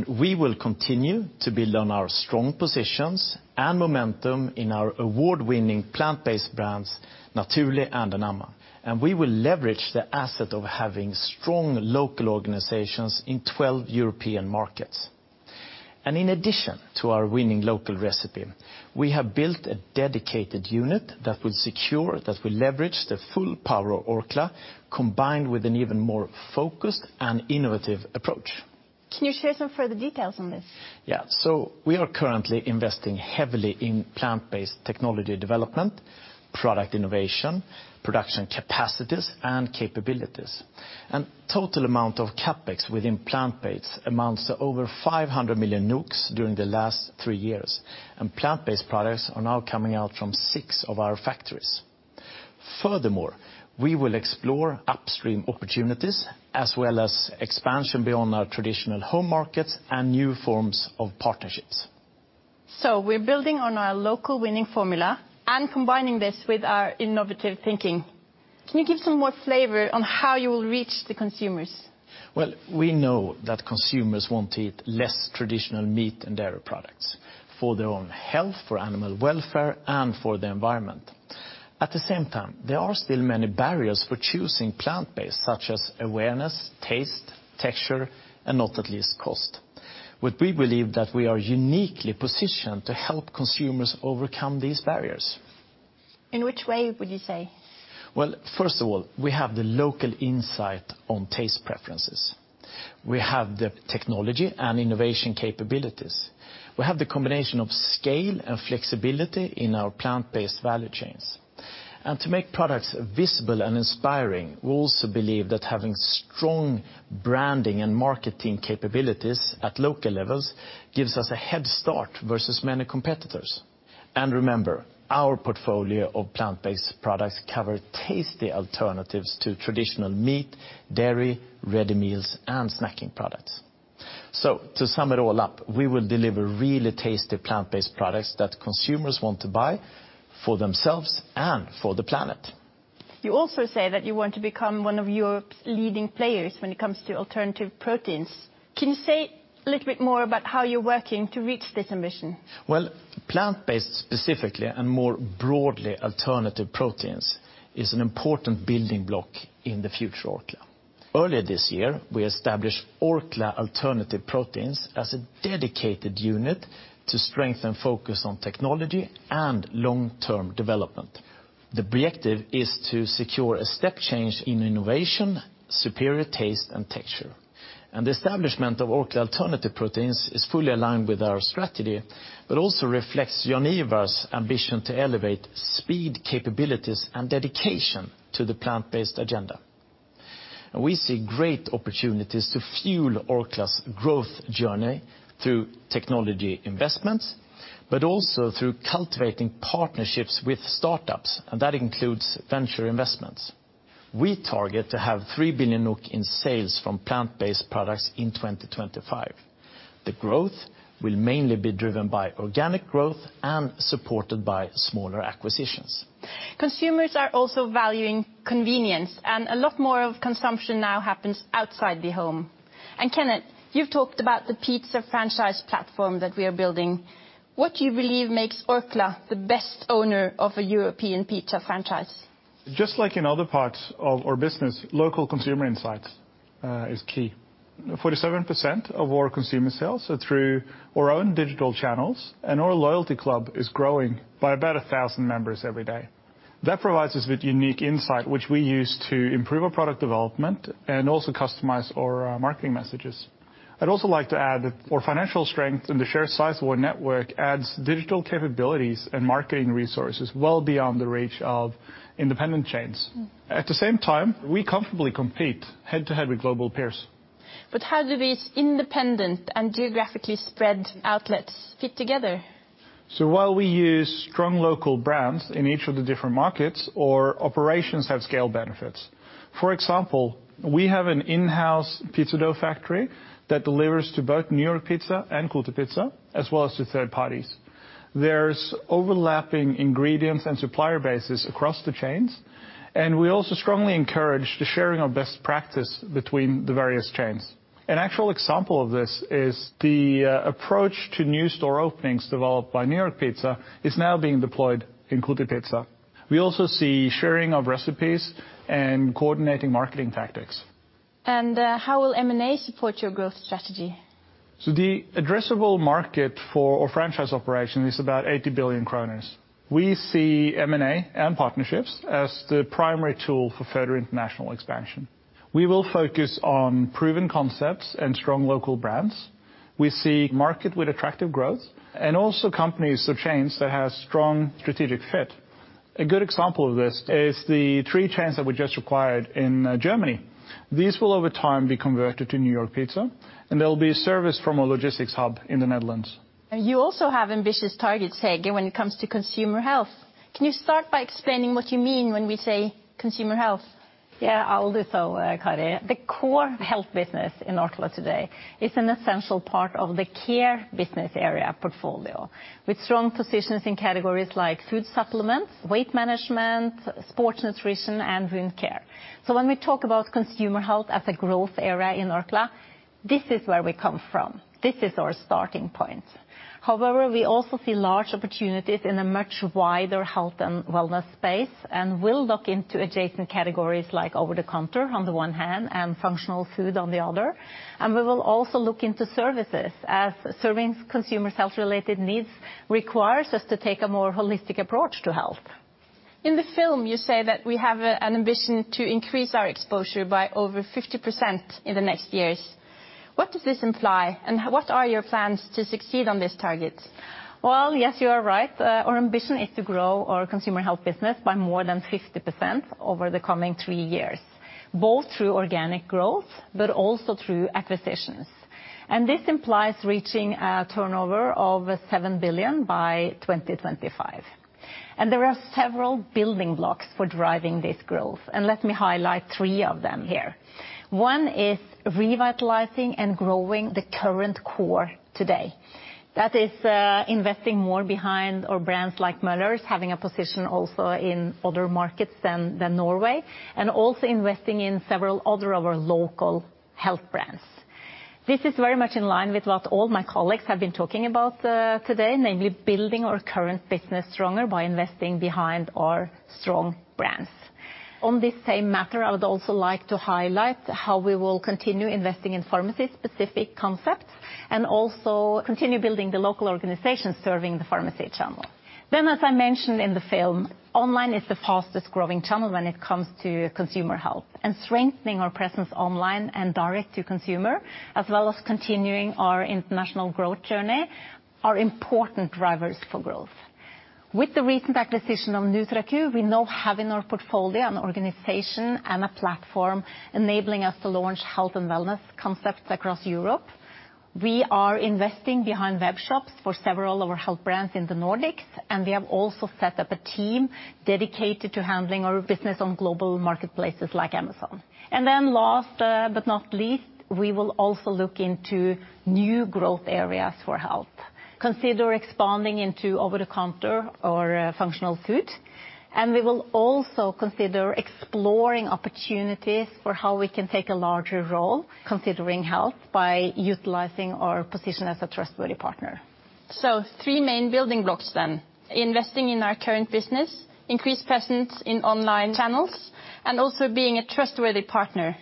We will continue to build on our strong positions and momentum in our award-winning plant-based brands, Naturli' and Anamma, and we will leverage the asset of having strong local organizations in 12 European markets. In addition to our winning local recipe, we have built a dedicated unit that will leverage the full power of Orkla, combined with an even more focused and innovative approach. Can you share some further details on this? We are currently investing heavily in plant-based technology development, product innovation, production capacities, and capabilities. The total amount of CapEx within plant-based amounts to over 500 million during the last three years, and plant-based products are now coming out from six of our factories. Furthermore, we will explore upstream opportunities, as well as expansion beyond our traditional home markets and new forms of partnerships. So we're building on our local winning formula and combining this with our innovative thinking. Can you give some more flavor on how you will reach the consumers? We know that consumers want to eat less traditional meat and dairy products for their own health, for animal welfare, and for the environment. At the same time, there are still many barriers for choosing plant-based, such as awareness, taste, texture, and not at least cost. But we believe that we are uniquely positioned to help consumers overcome these barriers. In which way would you say? First of all, we have the local insight on taste preferences. We have the technology and innovation capabilities. We have the combination of scale and flexibility in our plant-based value chains, and to make products visible and inspiring, we also believe that having strong branding and marketing capabilities at local levels gives us a head start versus many competitors, and remember, our portfolio of plant-based products cover tasty alternatives to traditional meat, dairy, ready meals, and snacking products, so to sum it all up, we will deliver really tasty plant-based products that consumers want to buy for themselves and for the planet. You also say that you want to become one of Europe's leading players when it comes to alternative proteins. Can you say a little bit more about how you're working to reach this ambition? Plant-based, specifically, and more broadly, alternative proteins, is an important building block in the future Orkla. Earlier this year, we established Orkla Alternative Proteins as a dedicated unit to strengthen focus on technology and long-term development. The objective is to secure a step change in innovation, superior taste, and texture. The establishment of Orkla Alternative Proteins is fully aligned with our strategy, but also reflects Johan's ambition to elevate speed, capabilities, and dedication to the plant-based agenda. We see great opportunities to fuel Orkla's growth journey through technology investments, but also through cultivating partnerships with startups, and that includes venture investments. We target to have 3 billion NOK in sales from plant-based products in 2025. The growth will mainly be driven by organic growth and supported by smaller acquisitions. Consumers are also valuing convenience, and a lot more of consumption now happens outside the home. And, Kenneth, you've talked about the pizza franchise platform that we are building. What do you believe makes Orkla the best owner of a European pizza franchise? Just like in other parts of our business, local consumer insights is key. 47% of our consumer sales are through our own digital channels, and our loyalty club is growing by about a thousand members every day. That provides us with unique insight, which we use to improve our product development and also customize our marketing messages. I'd also like to add that our financial strength and the sheer size of our network adds digital capabilities and marketing resources well beyond the reach of independent chains. At the same time, we comfortably compete head-to-head with global peers. But how do these independent and geographically spread outlets fit together? So while we use strong local brands in each of the different markets, our operations have scale benefits. For example, we have an in-house pizza dough factory that delivers to both New York Pizza and Kotipizza, as well as to third parties. There's overlapping ingredients and supplier bases across the chains, and we also strongly encourage the sharing of best practice between the various chains. An actual example of this is the approach to new store openings developed by New York Pizza is now being deployed in Kotipizza. We also see sharing of recipes and coordinating marketing tactics. How will M&A support your growth strategy? So the addressable market for our franchise operation is about 80 billion kroner. We see M&A and partnerships as the primary tool for further international expansion. We will focus on proven concepts and strong local brands. We see market with attractive growth, and also companies or chains that have strong strategic fit. A good example of this is the three chains that we just acquired in Germany. These will, over time, be converted to New York Pizza, and they'll be serviced from a logistics hub in the Netherlands. You also have ambitious targets, Hege, when it comes to consumer health. Can you start by explaining what you mean when we say consumer health? Yeah, I'll do so, Kari. The core health business in Orkla today is an essential part of the care business area portfolio, with strong positions in categories like food supplements, weight management, sports nutrition, and wound care. So when we talk about consumer health as a growth area in Orkla, this is where we come from. This is our starting point. However, we also see large opportunities in a much wider health and wellness space, and we'll look into adjacent categories like over-the-counter on the one hand, and functional food on the other. And we will also look into services, as serving consumer health-related needs requires us to take a more holistic approach to health. In the film, you say that we have an ambition to increase our exposure by over 50% in the next years. What does this imply, and what are your plans to succeed on this target? Yes, you are right. Our ambition is to grow our consumer health business by more than 50% over the coming three years, both through organic growth but also through acquisitions, and this implies reaching a turnover of 7 billion by 2025. There are several building blocks for driving this growth, and let me highlight three of them here. One is revitalizing and growing the current core today. That is, investing more behind our brands like Möller's, having a position also in other markets than Norway, and also investing in several other of our local health brands. This is very much in line with what all my colleagues have been talking about today, namely building our current business stronger by investing behind our strong brands. On this same matter, I would also like to highlight how we will continue investing in pharmacy-specific concepts and also continue building the local organizations serving the pharmacy channel. Then, as I mentioned in the film, online is the fastest-growing channel when it comes to consumer health, and strengthening our presence online and direct to consumer, as well as continuing our international growth journey, are important drivers for growth. With the recent acquisition of NutraQ, we now have in our portfolio an organization and a platform enabling us to launch health and wellness concepts across Europe. We are investing behind web shops for several of our health brands in the Nordics, and we have also set up a team dedicated to handling our business on global marketplaces like Amazon. Then last, but not least, we will also look into new growth areas for health, consider expanding into over-the-counter or functional food, and we will also consider exploring opportunities for how we can take a larger role considering health by utilizing our position as a trustworthy partner. Three main building blocks then: investing in our current business, increased presence in online channels, and also being a trustworthy partner.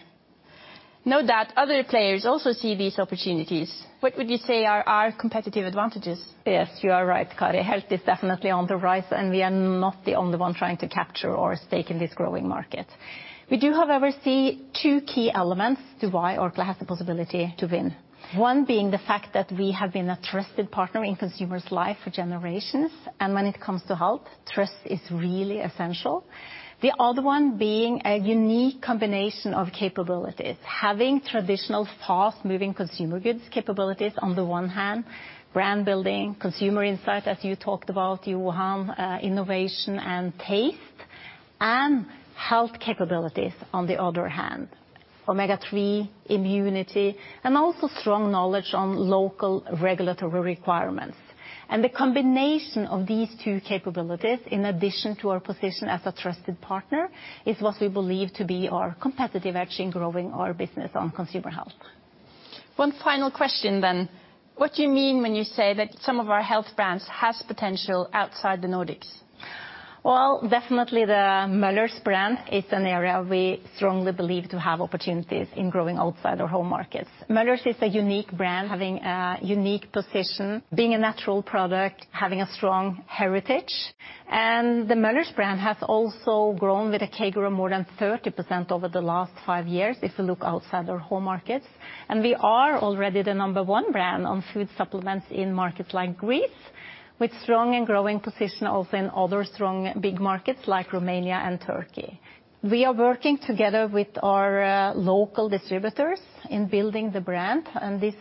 No doubt, other players also see these opportunities. What would you say are our competitive advantages? Yes, you are right, Kari. Health is definitely on the rise, and we are not the only one trying to capture our stake in this growing market. We do, however, see two key elements to why Orkla has the possibility to win, one being the fact that we have been a trusted partner in consumers' life for generations, and when it comes to health, trust is really essential. The other one being a unique combination of capabilities. Having traditional, fast-moving consumer goods capabilities on the one hand, brand building, consumer insight, as you talked about, Johan, innovation and taste, and health capabilities on the other hand, Omega-3, immunity, and also strong knowledge on local regulatory requirements, and the combination of these two capabilities, in addition to our position as a trusted partner, is what we believe to be our competitive edge in growing our business on consumer health. One final question then. What do you mean when you say that some of our health brands has potential outside the Nordics? Definitely the Möller's brand is an area we strongly believe to have opportunities in growing outside our home markets. Möller's is a unique brand, having a unique position, being a natural product, having a strong heritage. And the Möller's brand has also grown with a CAGR of more than 30% over the last five years, if you look outside our home markets. And we are already the number one brand on food supplements in markets like Greece, with strong and growing position also in other strong, big markets like Romania and Turkey. We are working together with our local distributors in building the brand, and this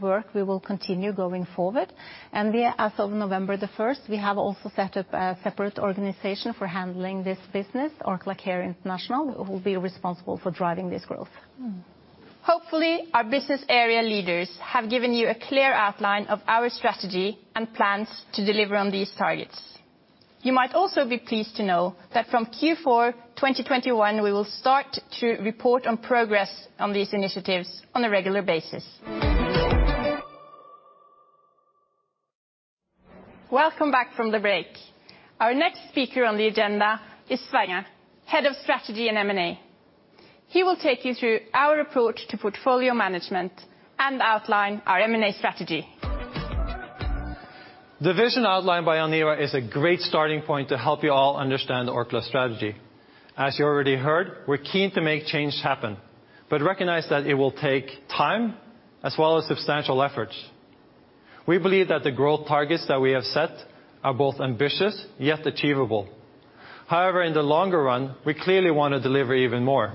work we will continue going forward. And we, as of November the first, we have also set up a separate organization for handling this business, Orkla Care International, who will be responsible for driving this growth. Hopefully, our business area leaders have given you a clear outline of our strategy and plans to deliver on these targets. You might also be pleased to know that from Q4 2021, we will start to report on progress on these initiatives on a regular basis. Welcome back from the break. Our next speaker on the agenda is Sverre, Head of Strategy and M&A. He will take you through our approach to portfolio management and outline our M&A strategy. The vision outlined by Jan Ivar is a great starting point to help you all understand Orkla's strategy. As you already heard, we're keen to make change happen, but recognize that it will take time, as well as substantial efforts. We believe that the growth targets that we have set are both ambitious, yet achievable. However, in the longer run, we clearly want to deliver even more.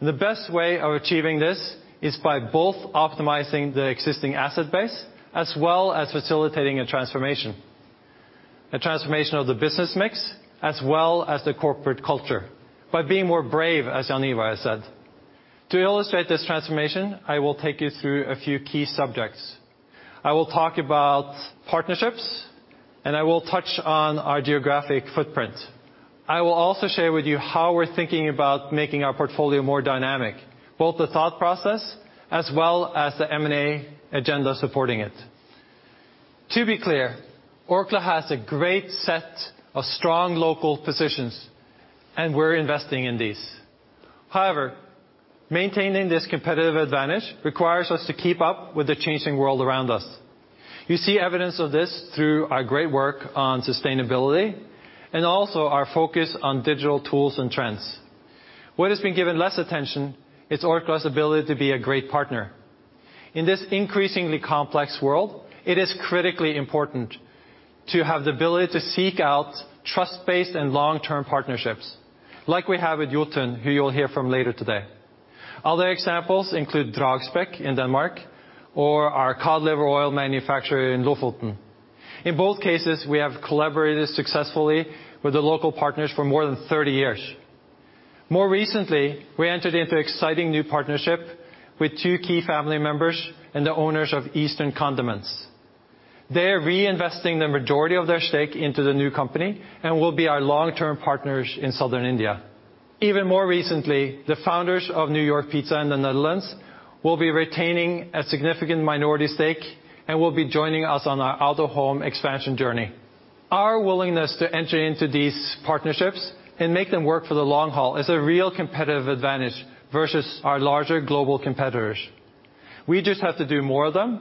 The best way of achieving this is by both optimizing the existing asset base, as well as facilitating a transformation, a transformation of the business mix, as well as the corporate culture, by being more brave, as Jan Ivar said. To illustrate this transformation, I will take you through a few key subjects. I will talk about partnerships, and I will touch on our geographic footprint. I will also share with you how we're thinking about making our portfolio more dynamic, both the thought process as well as the M&A agenda supporting it. To be clear, Orkla has a great set of strong local positions, and we're investing in these. However, maintaining this competitive advantage requires us to keep up with the changing world around us. You see evidence of this through our great work on sustainability, and also our focus on digital tools and trends. What has been given less attention is Orkla's ability to be a great partner. In this increasingly complex world, it is critically important to have the ability to seek out trust-based and long-term partnerships, like we have with Jotun, who you'll hear from later today. Other examples include Dragsbæk in Denmark, or our cod liver oil manufacturer in Lofoten. In both cases, we have collaborated successfully with the local partners for more than thirty years. More recently, we entered into exciting new partnership with two key family members and the owners of Eastern Condiments. They're reinvesting the majority of their stake into the new company and will be our long-term partners in Southern India. Even more recently, the founders of New York Pizza in the Netherlands will be retaining a significant minority stake and will be joining us on our out-of-home expansion journey. Our willingness to enter into these partnerships and make them work for the long haul is a real competitive advantage versus our larger global competitors. We just have to do more of them,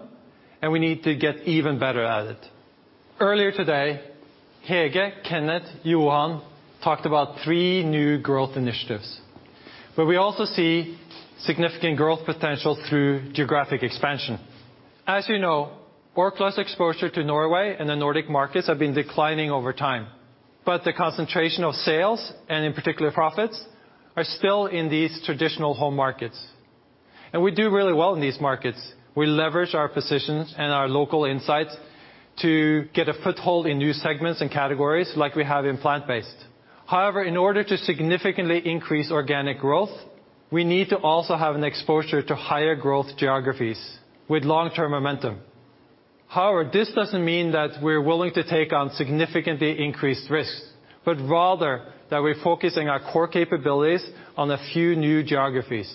and we need to get even better at it. Earlier today, Hege, Kenneth, Johan, talked about three new growth initiatives, but we also see significant growth potential through geographic expansion. As you know, Orkla's exposure to Norway and the Nordic markets has been declining over time, but the concentration of sales, and in particular, profits, are still in these traditional home markets, and we do really well in these markets. We leverage our positions and our local insights to get a foothold in new segments and categories, like we have in plant-based. However, in order to significantly increase organic growth, we need to also have an exposure to higher growth geographies with long-term momentum. However, this doesn't mean that we're willing to take on significantly increased risks, but rather that we're focusing our core capabilities on a few new geographies.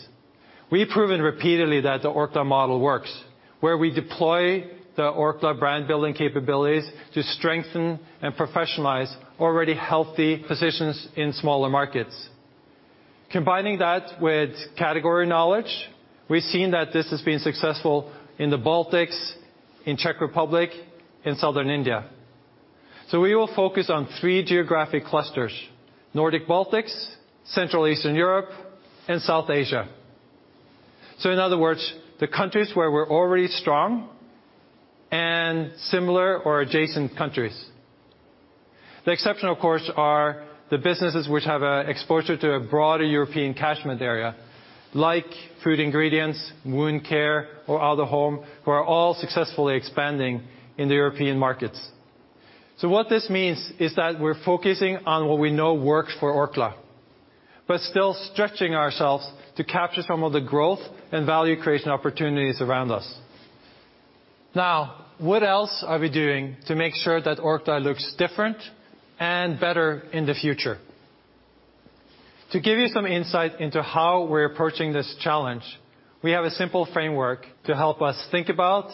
We've proven repeatedly that the Orkla model works, where we deploy the Orkla brand building capabilities to strengthen and professionalize already healthy positions in smaller markets. Combining that with category knowledge, we've seen that this has been successful in the Baltics, in Czech Republic, in Southern India. So we will focus on three geographic clusters: Nordic Baltics, Central Eastern Europe, and South Asia. So in other words, the countries where we're already strong and similar or adjacent countries. The exception, of course, are the businesses which have an exposure to a broader European catchment area... like food ingredients, wound care, or out-of-home, who are all successfully expanding in the European markets. So what this means is that we're focusing on what we know works for Orkla, but still stretching ourselves to capture some of the growth and value creation opportunities around us. Now, what else are we doing to make sure that Orkla looks different and better in the future? To give you some insight into how we're approaching this challenge, we have a simple framework to help us think about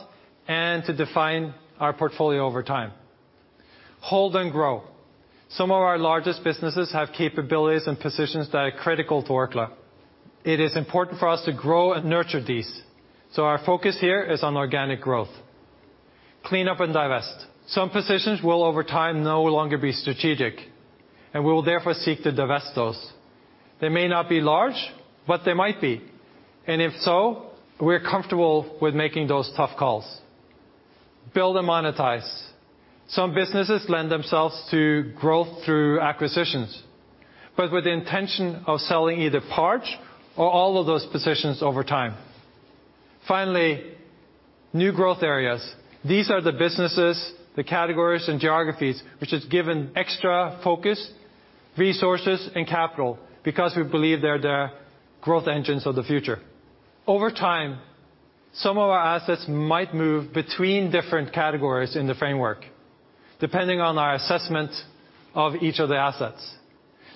and to define our portfolio over time. Hold and grow. Some of our largest businesses have capabilities and positions that are critical to Orkla. It is important for us to grow and nurture these, so our focus here is on organic growth. Clean up and divest. Some positions will, over time, no longer be strategic, and we will therefore seek to divest those. They may not be large, but they might be, and if so, we're comfortable with making those tough calls. Build and monetize. Some businesses lend themselves to growth through acquisitions, but with the intention of selling either parts or all of those positions over time. Finally, new growth areas. These are the businesses, the categories, and geographies, which are given extra focus, resources, and capital because we believe they're the growth engines of the future. Over time, some of our assets might move between different categories in the framework, depending on our assessment of each of the assets.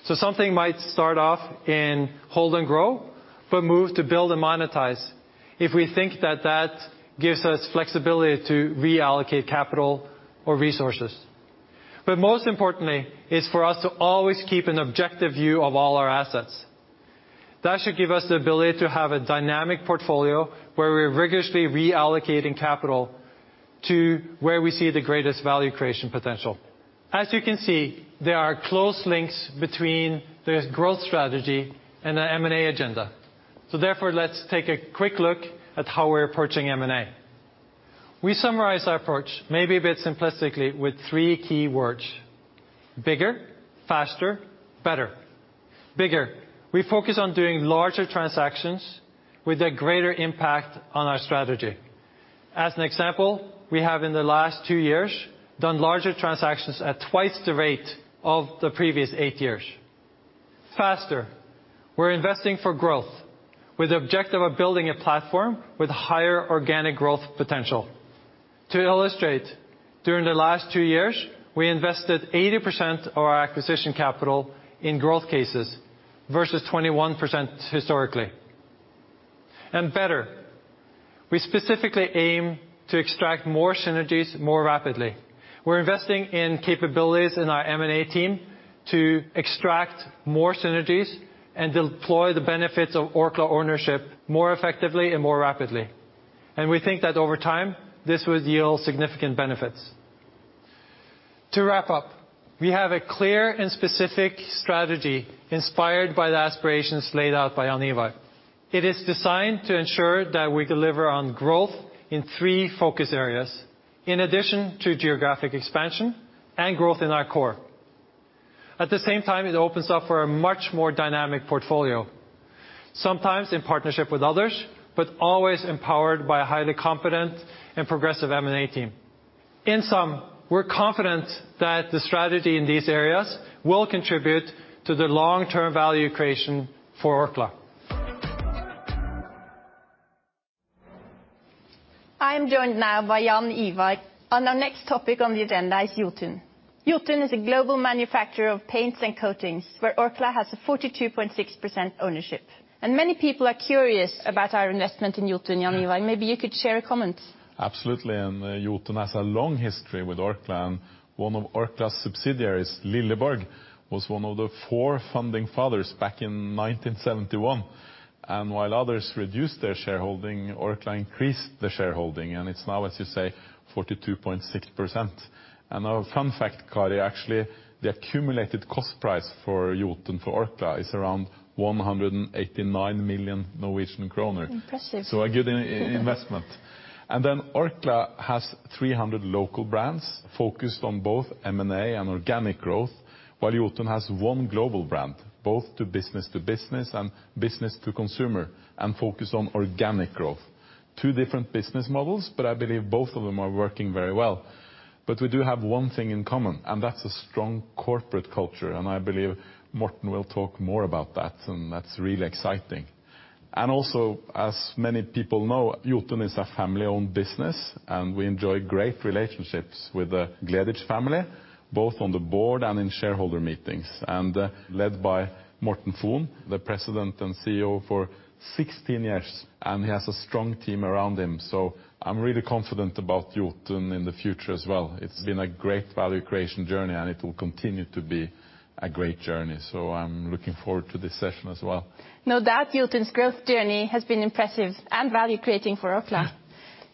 So something might start off in hold and grow, but move to build and monetize if we think that that gives us flexibility to reallocate capital or resources. But most importantly is for us to always keep an objective view of all our assets. That should give us the ability to have a dynamic portfolio where we're rigorously reallocating capital to where we see the greatest value creation potential. As you can see, there are close links between the growth strategy and the M&A agenda, so therefore, let's take a quick look at how we're approaching M&A. We summarize our approach, maybe a bit simplistically, with three key words: bigger, faster, better. Bigger. We focus on doing larger transactions with a greater impact on our strategy. As an example, we have, in the last two years, done larger transactions at twice the rate of the previous eight years. Faster. We're investing for growth, with the objective of building a platform with higher organic growth potential. To illustrate, during the last two years, we invested 80% of our acquisition capital in growth cases, versus 21% historically. And better. We specifically aim to extract more synergies more rapidly. We're investing in capabilities in our M&A team to extract more synergies and deploy the benefits of Orkla ownership more effectively and more rapidly, and we think that over time, this would yield significant benefits. To wrap up, we have a clear and specific strategy inspired by the aspirations laid out by Jan Ivar. It is designed to ensure that we deliver on growth in three focus areas, in addition to geographic expansion and growth in our core. At the same time, it opens up for a much more dynamic portfolio, sometimes in partnership with others, but always empowered by a highly competent and progressive M&A team. In sum, we're confident that the strategy in these areas will contribute to the long-term value creation for Orkla. I am joined now by Jan Ivar, and our next topic on the agenda is Jotun. Jotun is a global manufacturer of paints and coatings, where Orkla has a 42.6% ownership, and many people are curious about our investment in Jotun, Jan Ivar. Maybe you could share a comment. Absolutely, and Jotun has a long history with Orkla, and one of Orkla's subsidiaries, Lilleborg, was one of the four founding fathers back in nineteen seventy-one. And while others reduced their shareholding, Orkla increased the shareholding, and it's now, as you say, 42.6%. And a fun fact, Kari, actually, the accumulated cost price for Jotun for Orkla is around 189 million Norwegian kroner. Impressive. So, a good investment. Orkla has 300 local brands focused on both M&A and organic growth, while Jotun has one global brand, both to business to business and business to consumer, and focused on organic growth. Two different business models, but I believe both of them are working very well. We do have one thing in common, and that's a strong corporate culture, and I believe Morten will talk more about that, and that's really exciting. Also, as many people know, Jotun is a family-owned business, and we enjoy great relationships with the Gleditsch family, both on the board and in shareholder meetings, led by Morten Fon, the President and CEO for 16 years, and he has a strong team around him, so I'm really confident about Jotun in the future as well. It's been a great value creation journey, and it will continue to be a great journey, so I'm looking forward to this session as well. No doubt, Jotun's growth journey has been impressive and value-creating for Orkla. Yeah.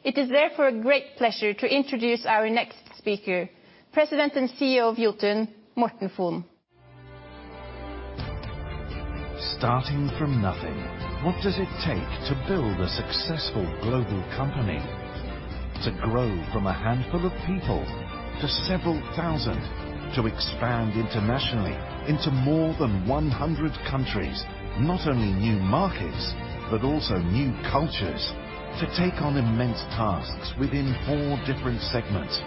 It is therefore a great pleasure to introduce our next speaker, President and CEO of Jotun, Morten Fon. Starting from nothing, what does it take to build a successful global company? To grow from a handful of people to several thousand, to expand internationally into more than one hundred countries. Not only new markets, but also new cultures. To take on immense tasks within four different segments.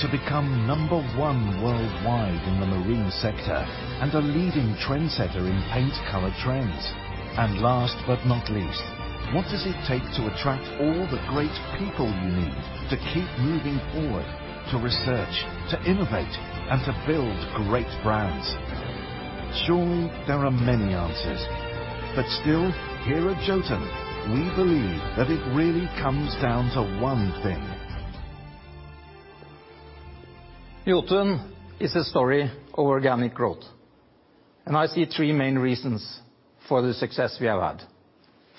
To become number one worldwide in the marine sector, and a leading trendsetter in paint color trends. And last but not least, what does it take to attract all the great people you need to keep moving forward, to research, to innovate, and to build great brands? Surely, there are many answers, but still, here at Jotun, we believe that it really comes down to one thing. Jotun is a story of organic growth, and I see three main reasons for the success we have had.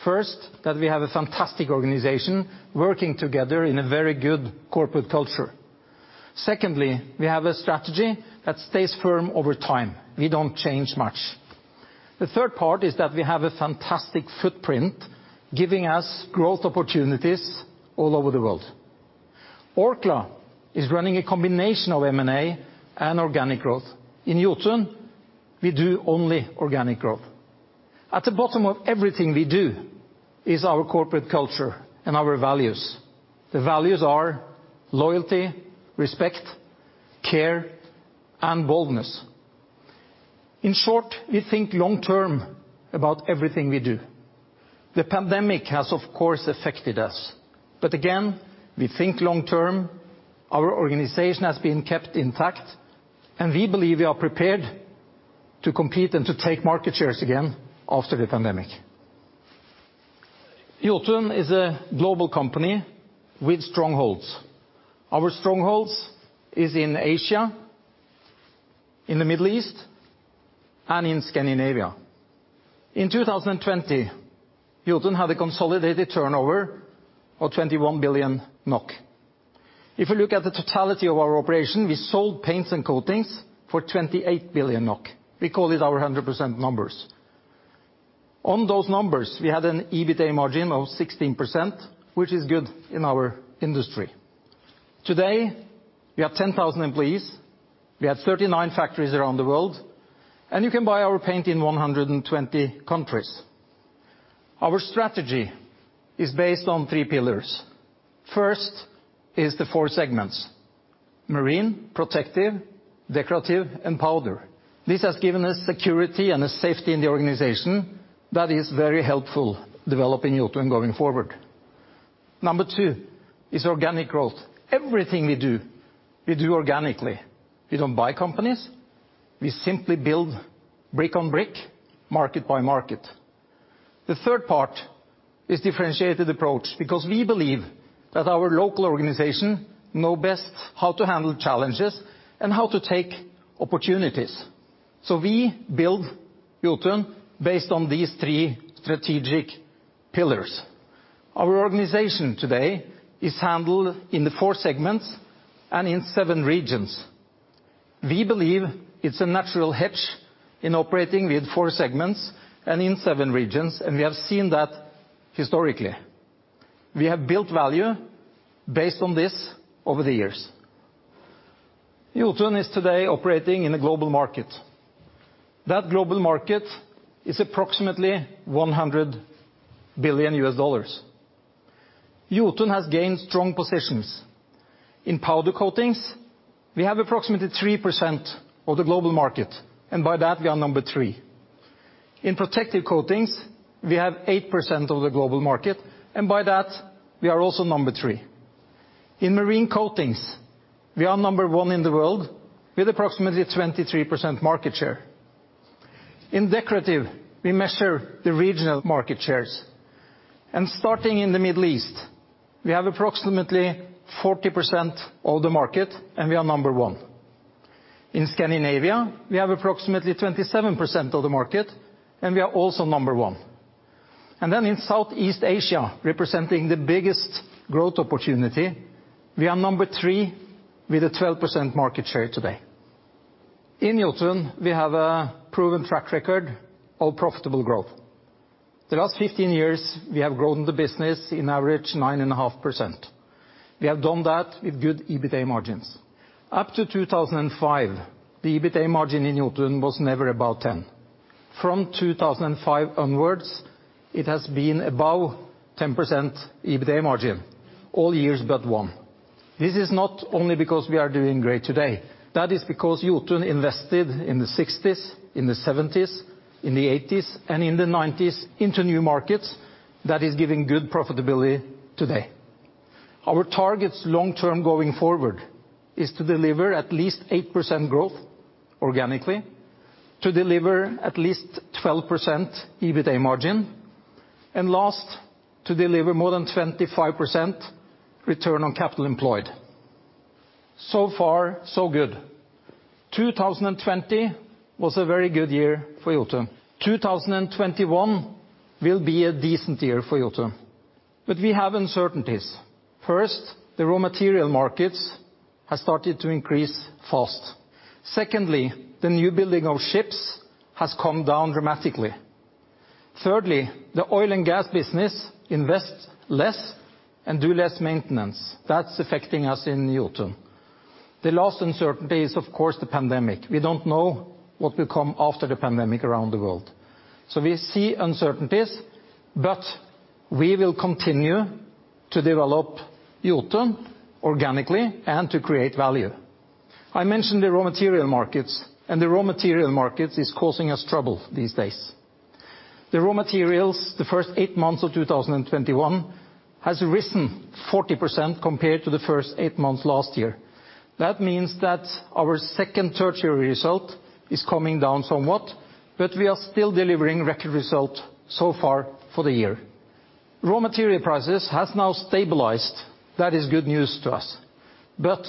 First, that we have a fantastic organization working together in a very good corporate culture. Secondly, we have a strategy that stays firm over time. We don't change much. The third part is that we have a fantastic footprint, giving us growth opportunities all over the world. Orkla is running a combination of M&A and organic growth. In Jotun, we do only organic growth. At the bottom of everything we do is our corporate culture and our values. The values are loyalty, respect, care, and boldness. In short, we think long-term about everything we do. The pandemic has, of course, affected us, but again, we think long-term, our organization has been kept intact, and we believe we are prepared to compete and to take market shares again after the pandemic. Jotun is a global company with strongholds. Our strongholds is in Asia, in the Middle East, and in Scandinavia. In two thousand and twenty, Jotun had a consolidated turnover of 21 billion NOK. If you look at the totality of our operation, we sold paints and coatings for 28 billion NOK. We call it our 100% numbers. On those numbers, we had an EBITA margin of 16%, which is good in our industry. Today, we have 10,000 employees, we have 39 factories around the world, and you can buy our paint in 120 countries. Our strategy is based on three pillars. First is the four segments: marine, protective, decorative, and powder. This has given us security and a safety in the organization that is very helpful developing Jotun going forward. Number two is organic growth. Everything we do, we do organically. We don't buy companies, we simply build brick on brick, market by market. The third part is differentiated approach, because we believe that our local organization know best how to handle challenges and how to take opportunities. So we build Jotun based on these three strategic pillars. Our organization today is handled in the four segments and in seven regions. We believe it's a natural hedge in operating with four segments and in seven regions, and we have seen that historically. We have built value based on this over the years. Jotun is today operating in a global market. That global market is approximately $100 billion. Jotun has gained strong positions. In powder coatings, we have approximately 3% of the global market, and by that, we are number three. In protective coatings, we have 8% of the global market, and by that, we are also number three. In marine coatings, we are number one in the world, with approximately 23% market share. In decorative, we measure the regional market shares, and starting in the Middle East, we have approximately 40% of the market, and we are number one. In Scandinavia, we have approximately 27% of the market, and we are also number one. And then in Southeast Asia, representing the biggest growth opportunity, we are number three with a 12% market share today. In Jotun, we have a proven track record of profitable growth. The last 15 years, we have grown the business in average 9.5%. We have done that with good EBITA margins. Up to 2005, the EBITA margin in Jotun was never above 10%. From 2005 onwards, it has been above 10% EBITA margin, all years but one. This is not only because we are doing great today. That is because Jotun invested in the sixties, in the seventies, in the eighties, and in the nineties into new markets that is giving good profitability today. Our targets long-term going forward is to deliver at least 8% growth organically, to deliver at least 12% EBITA margin, and last, to deliver more than 25% return on capital employed. So far, so good. 2020 was a very good year for Jotun. 2021 will be a decent year for Jotun, but we have uncertainties. First, the raw material markets has started to increase fast. Secondly, the new building of ships has come down dramatically.... Thirdly, the oil and gas business invest less and do less maintenance. That's affecting us in Jotun. The last uncertainty is, of course, the pandemic. We don't know what will come after the pandemic around the world. So we see uncertainties, but we will continue to develop Jotun organically and to create value. I mentioned the raw material markets, and the raw material markets is causing us trouble these days. The raw materials, the first eight months of 2021, has risen 40% compared to the first eight months last year. That means that our second quarter result is coming down somewhat, but we are still delivering record result so far for the year. Raw material prices has now stabilized. That is good news to us, but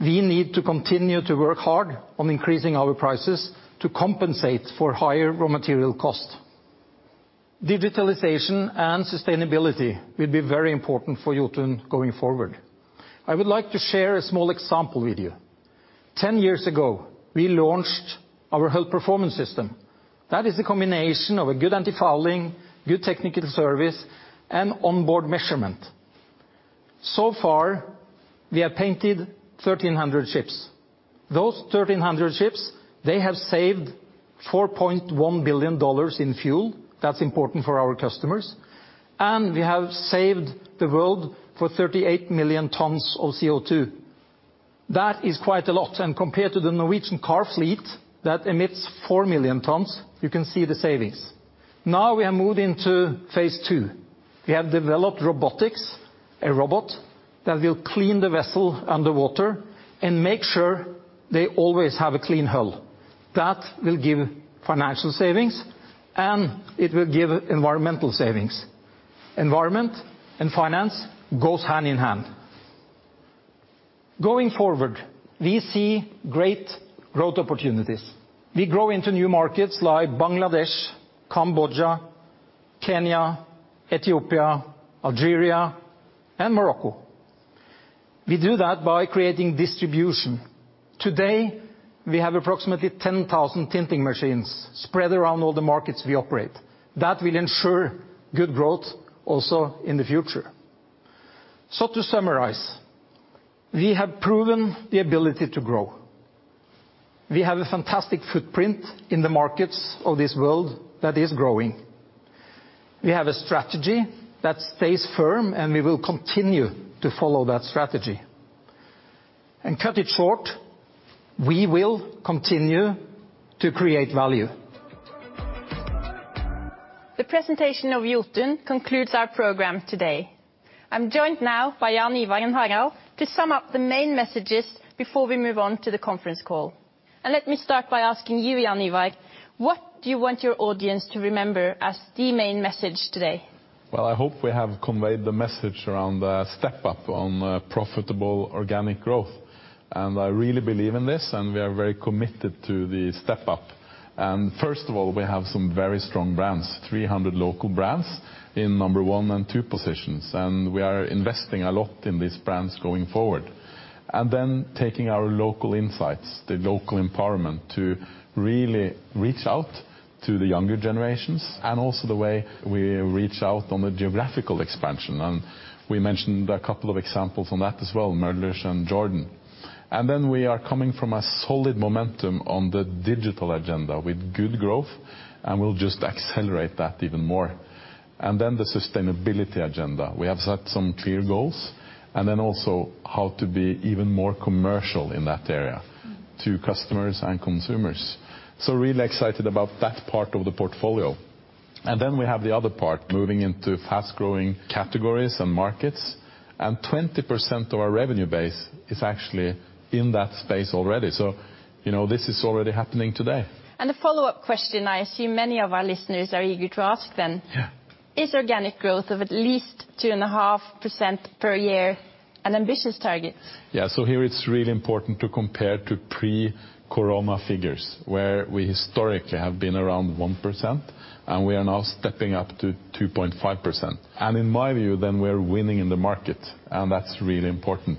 we need to continue to work hard on increasing our prices to compensate for higher raw material costs. Digitalization and sustainability will be very important for Jotun going forward. I would like to share a small example with you. Ten years ago, we launched our Hull Performance system. That is a combination of a good antifouling, good technical service, and onboard measurement. So far, we have painted 1,300 ships. Those 1,300 ships, they have saved $4.1 billion in fuel. That's important for our customers, and we have saved the world for 38 million tons of CO2. That is quite a lot, and compared to the Norwegian car fleet, that emits 4 million tons, you can see the savings. Now we are moving to phase two. We have developed robotics, a robot that will clean the vessel underwater and make sure they always have a clean hull. That will give financial savings, and it will give environmental savings. Environment and finance goes hand in hand. Going forward, we see great growth opportunities. We grow into new markets like Bangladesh, Cambodia, Kenya, Ethiopia, Algeria, and Morocco. We do that by creating distribution. Today, we have approximately 10,000 tinting machines spread around all the markets we operate. That will ensure good growth also in the future. So to summarize, we have proven the ability to grow. We have a fantastic footprint in the markets of this world that is growing. We have a strategy that stays firm, and, cut it short, we will continue to follow that strategy and create value. The presentation of Jotun concludes our program today. I'm joined now by Jan Ivar and Harald to sum up the main messages before we move on to the conference call. And let me start by asking you, Jan Ivar, what do you want your audience to remember as the main message today? I hope we have conveyed the message around the step-up on profitable organic growth, and I really believe in this, and we are very committed to the step up, and first of all, we have some very strong brands, 300 local brands in number one and two positions, and we are investing a lot in these brands going forward, and then taking our local insights, the local empowerment, to really reach out to the younger generations, and also the way we reach out on the geographical expansion, and we mentioned a couple of examples on that as well, Merløse and Jordan, and then we are coming from a solid momentum on the digital agenda with good growth, and we'll just accelerate that even more, and then the sustainability agenda. We have set some clear goals, and then also how to be even more commercial in that area to customers and consumers. So really excited about that part of the portfolio. And then we have the other part, moving into fast-growing categories and markets, and 20% of our revenue base is actually in that space already. So, you know, this is already happening today. A follow-up question I assume many of our listeners are eager to ask, then. Yeah. Is organic growth of at least 2.5% per year an ambitious target? Yeah, so here it's really important to compare to pre-corona figures, where we historically have been around 1%, and we are now stepping up to 2.5%. And in my view, then we are winning in the market, and that's really important.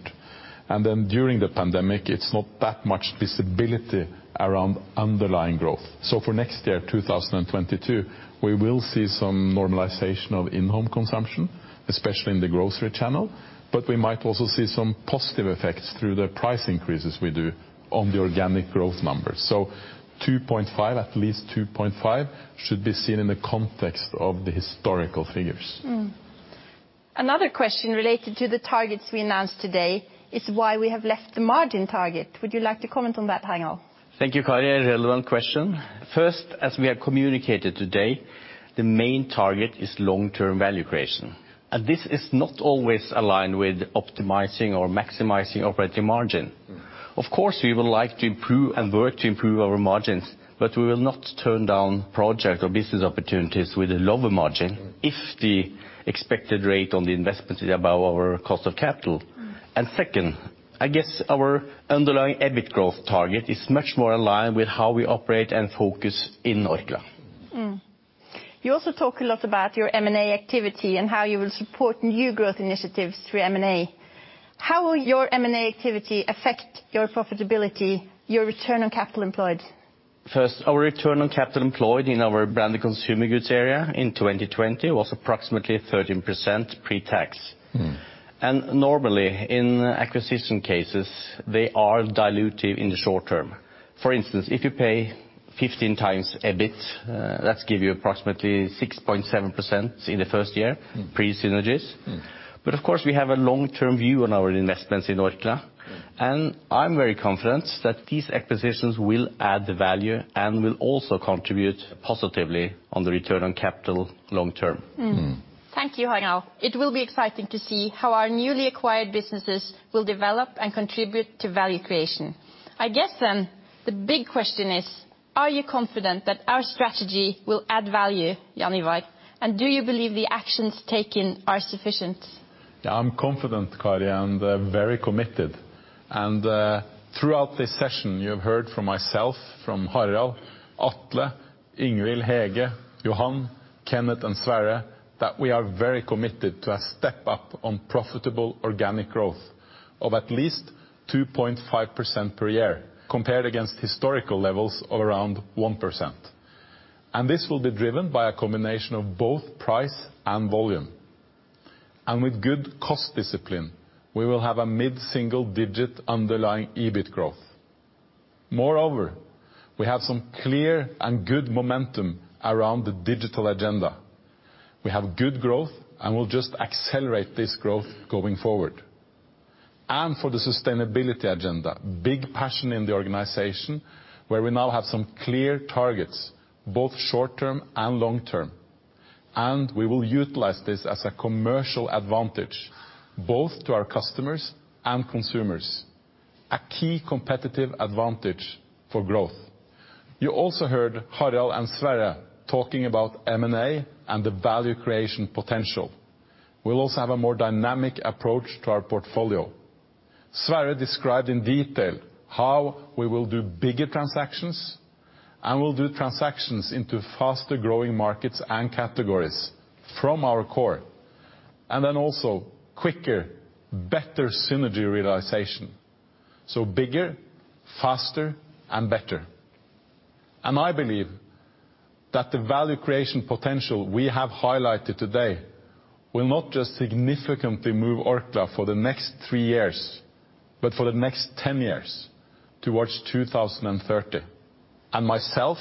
And then during the pandemic, it's not that much visibility around underlying growth. So for next year, 2022, we will see some normalization of in-home consumption, especially in the grocery channel, but we might also see some positive effects through the price increases we do on the organic growth numbers. So 2.5%, at least 2.5%, should be seen in the context of the historical figures. Another question related to the targets we announced today is why we have left the margin target. Would you like to comment on that, Harald? Thank you, Kari. A relevant question. First, as we have communicated today, the main target is long-term value creation, and this is not always aligned with optimizing or maximizing operating margin. Of course, we would like to improve and work to improve our margins, but we will not turn down project or business opportunities with a lower margin if the expected rate on the investment is above our cost of capital. Second, I guess our underlying EBIT growth target is much more aligned with how we operate and focus in Orkla. You also talk a lot about your M&A activity and how you will support new growth initiatives through M&A. How will your M&A activity affect your profitability, your return on capital employed? First, our return on capital employed in our branded consumer goods area in 2020 was approximately 13% pre-tax. And normally, in acquisition cases, they are dilutive in the short term. For instance, if you pay 15 times EBIT, that's give you approximately 6.7% in the first year-pre-synergie. But, of course, we have a long-term view on our investments in Orkla. I'm very confident that these acquisitions will add value and will also contribute positively on the return on capital long term. Thank you, Harald. It will be exciting to see how our newly acquired businesses will develop and contribute to value creation. I guess, then, the big question is, are you confident that our strategy will add value, Jan Ivar, and do you believe the actions taken are sufficient? Yeah, I'm confident, Kari, and very committed. And throughout this session, you have heard from myself, from Harald, Atle, Ingvill, Hege, Johan, Kenneth, and Sverre, that we are very committed to a step up on profitable organic growth of at least 2.5% per year, compared against historical levels of around 1%. And this will be driven by a combination of both price and volume. And with good cost discipline, we will have a mid-single digit underlying EBIT growth. Moreover, we have some clear and good momentum around the digital agenda. We have good growth, and we'll just accelerate this growth going forward. And for the sustainability agenda, [it's a] big passion in the organization, where we now have some clear targets, both short-term and long-term, and we will utilize this as a commercial advantage, both to our customers and consumers, a key competitive advantage for growth. You also heard Harald and Sverre talking about M&A and the value creation potential. We'll also have a more dynamic approach to our portfolio. Sverre described in detail how we will do bigger transactions, and we'll do transactions into faster-growing markets and categories from our core, and then also quicker, better synergy realization. So bigger, faster, and better. And I believe that the value creation potential we have highlighted today will not just significantly move Orkla for the next three years, but for the next ten years, towards two thousand and thirty. Myself,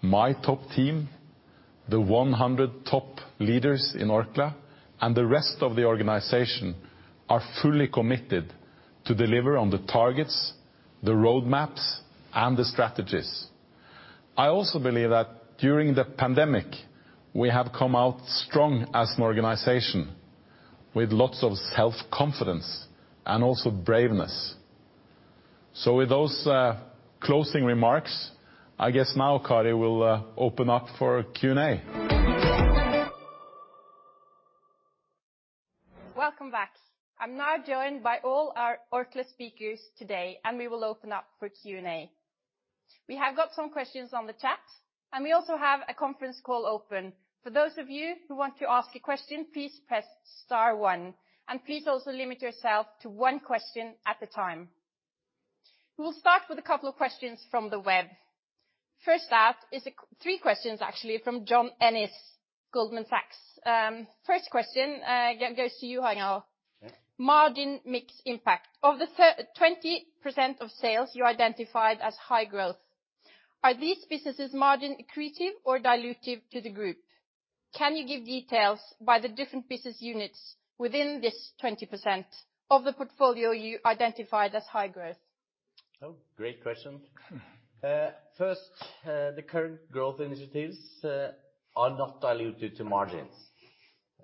my top team, the 100 top leaders in Orkla, and the rest of the organization are fully committed to deliver on the targets, the roadmaps, and the strategies. I also believe that during the pandemic, we have come out strong as an organization, with lots of self-confidence and also braveness. With those closing remarks, I guess now, Kari, we'll open up for Q&A. Welcome back. I'm now joined by all our Orkla speakers today, and we will open up for Q&A. We have got some questions on the chat, and we also have a conference call open. For those of you who want to ask a question, please press star one, and please also limit yourself to one question at a time. We'll start with a couple of questions from the web. First out is three questions, actually, from John Ennis, Goldman Sachs. First question goes to you, Harald. Okay. Margin mix impact. Of the 20% of sales you identified as high growth, are these businesses margin accretive or dilutive to the group? Can you give details by the different business units within this 20% of the portfolio you identified as high growth? Oh, great question. First, the current growth initiatives are not dilutive to margins.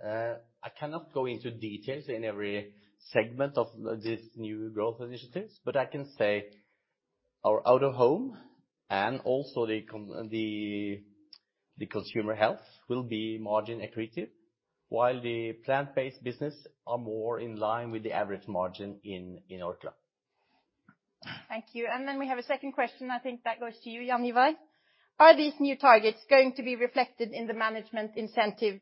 I cannot go into details in every segment of these new growth initiatives, but I can say our out-of-home, and also the consumer health, will be margin accretive, while the plant-based business are more in line with the average margin in Orkla. Thank you. And then we have a second question, I think that goes to you, Jan Ivar. Are these new targets going to be reflected in the management incentive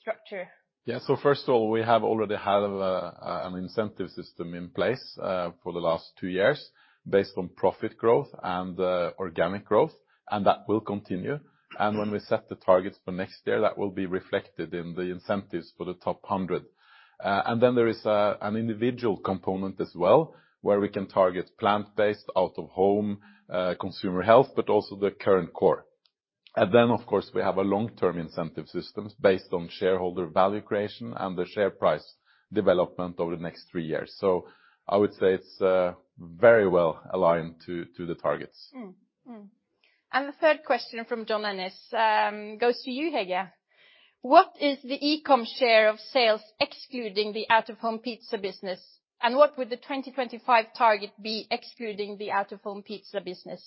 structure? Yeah. So first of all, we have already had an incentive system in place for the last two years, based on profit growth and organic growth, and that will continue. And when we set the targets for next year, that will be reflected in the incentives for the top hundred. And then there is an individual component as well, where we can target plant-based, out-of-home, consumer health, but also the current core. And then, of course, we have a long-term incentive systems based on shareholder value creation and the share price development over the next three years. So I would say it's very well aligned to the targets. And the third question from John Ennis goes to you, Hege. What is the e-com share of sales excluding the out-of-home pizza business, and what would the 2025 target be excluding the out-of-home pizza business?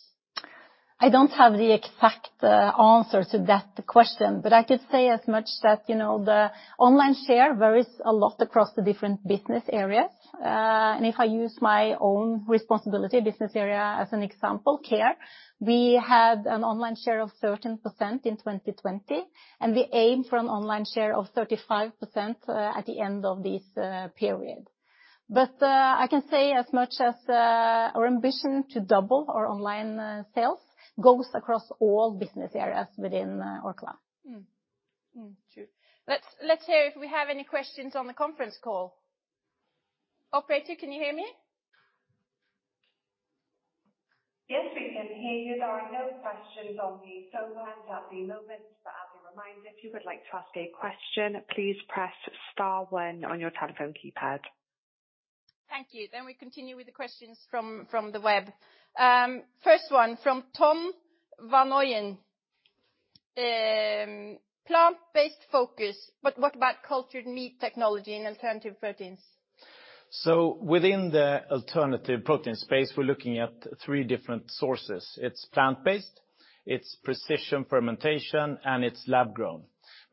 I don't have the exact answer to that question, but I could say as much that, you know, the online share varies a lot across the different business areas, and if I use my own responsibility business area as an example, Care, we had an online share of 13% in 2020, and we aim for an online share of 35% at the end of this period, but I can say as much as our ambition to double our online sales goes across all business areas within Orkla. Sure. Let's hear if we have any questions on the conference call. Operator, can you hear me? Yes, we can hear you. There are no questions on the phone lines at the moment, but as a reminder, if you would like to ask a question, please press star one on your telephone keypad. Thank you. Then we continue with the questions from the web. First one from Tom Vanoyen. Plant-based focus, but what about cultured meat technology and alternative proteins? So within the alternative protein space, we're looking at three different sources. It's plant-based, it's precision fermentation, and it's lab-grown.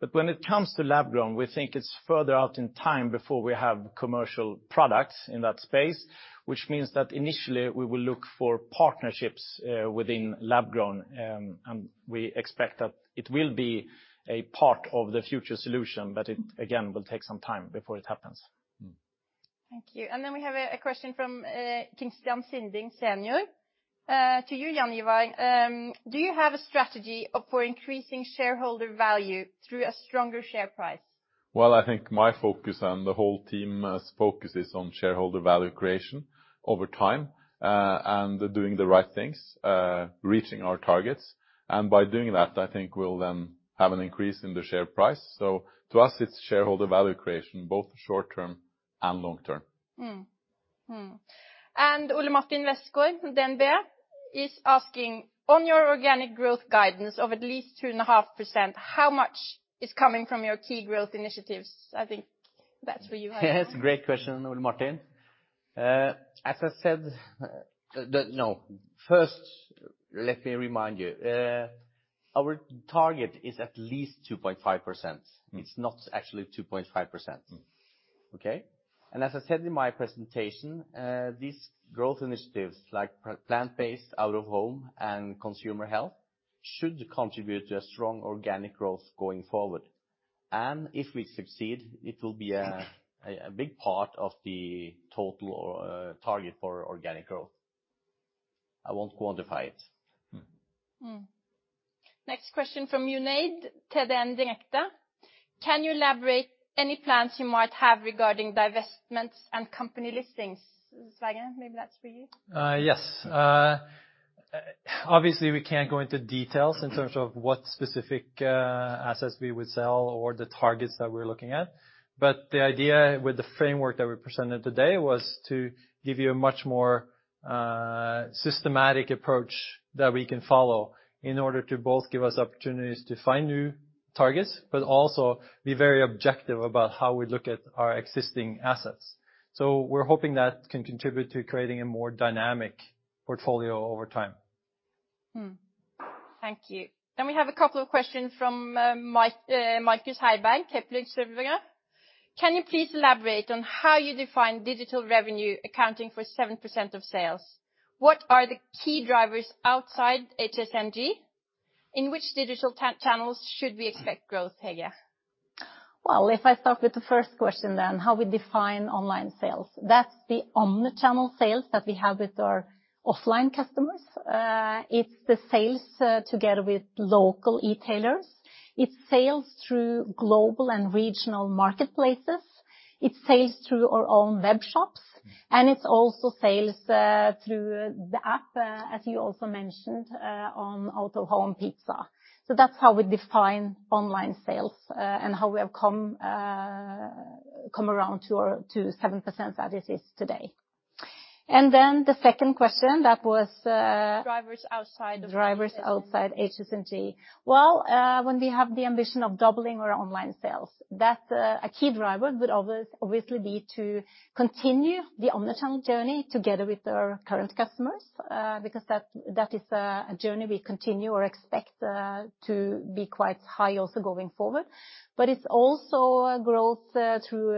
But when it comes to lab-grown, we think it's further out in time before we have commercial products in that space, which means that initially we will look for partnerships within lab-grown, and we expect that it will be a part of the future solution, but it, again, will take some time before it happens. Thank you, and then we have a question from Christian Sinding. To you, Jan Ivar. Do you have a strategy up for increasing shareholder value through a stronger share price? I think my focus and the whole team's focus is on shareholder value creation over time, and doing the right things, reaching our targets. By doing that, I think we'll then have an increase in the share price. To us, it's shareholder value creation, both short term and long term. Mm-hmm. Mm-hmm. And Ole Martin Westgaard from DNB is asking: On your organic growth guidance of at least 2.5%, how much is coming from your key growth initiatives? I think that's for you, Sverre. That's a great question, Ole Martin. As I said, first, let me remind you, our target is at least 2.5%. It's not actually 2.5. Okay? And as I said in my presentation, these growth initiatives, like plant-based, out-of-home, and consumer health, should contribute to a strong organic growth going forward. And if we succeed, it will be a big part of the total or target for organic growth. I won't quantify it. Mm-hmm. Next question from Junaid at DN Direkte: Can you elaborate any plans you might have regarding divestments and company listings? Sverre, maybe that's for you. Yes. Obviously, we can't go into details in terms of what specific assets we would sell or the targets that we're looking at, but the idea with the framework that we presented today was to give you a much more systematic approach that we can follow in order to both give us opportunities to find new targets, but also be very objective about how we look at our existing assets. So we're hoping that can contribute to creating a more dynamic portfolio over time. Mm-hmm. Thank you. Then we have a couple of questions from Mike, Markus Heiberg, Kepler Cheuvreux. Can you please elaborate on how you define digital revenue accounting for 7% of sales? What are the key drivers outside HSNG? In which digital channels should we expect growth, Hege? If I start with the first question, then, how we define online sales, that's the Omni-channel sales that we have with our offline customers. It's the sales together with local e-tailers. It's sales through global and regional marketplaces. It's sales through our own web shops, and it's also sales through the app, as you also mentioned, on Out-of-Home Pizza. So that's how we define online sales, and how we have come around to 7% that it is today. And then the second question, that was, Drivers outside of- Drivers outside HSNG. Well, when we have the ambition of doubling our online sales, that's a key driver, would obviously be to continue the Omni-channel journey together with our current customers, because that is a journey we continue or expect to be quite high also going forward. But it's also a growth through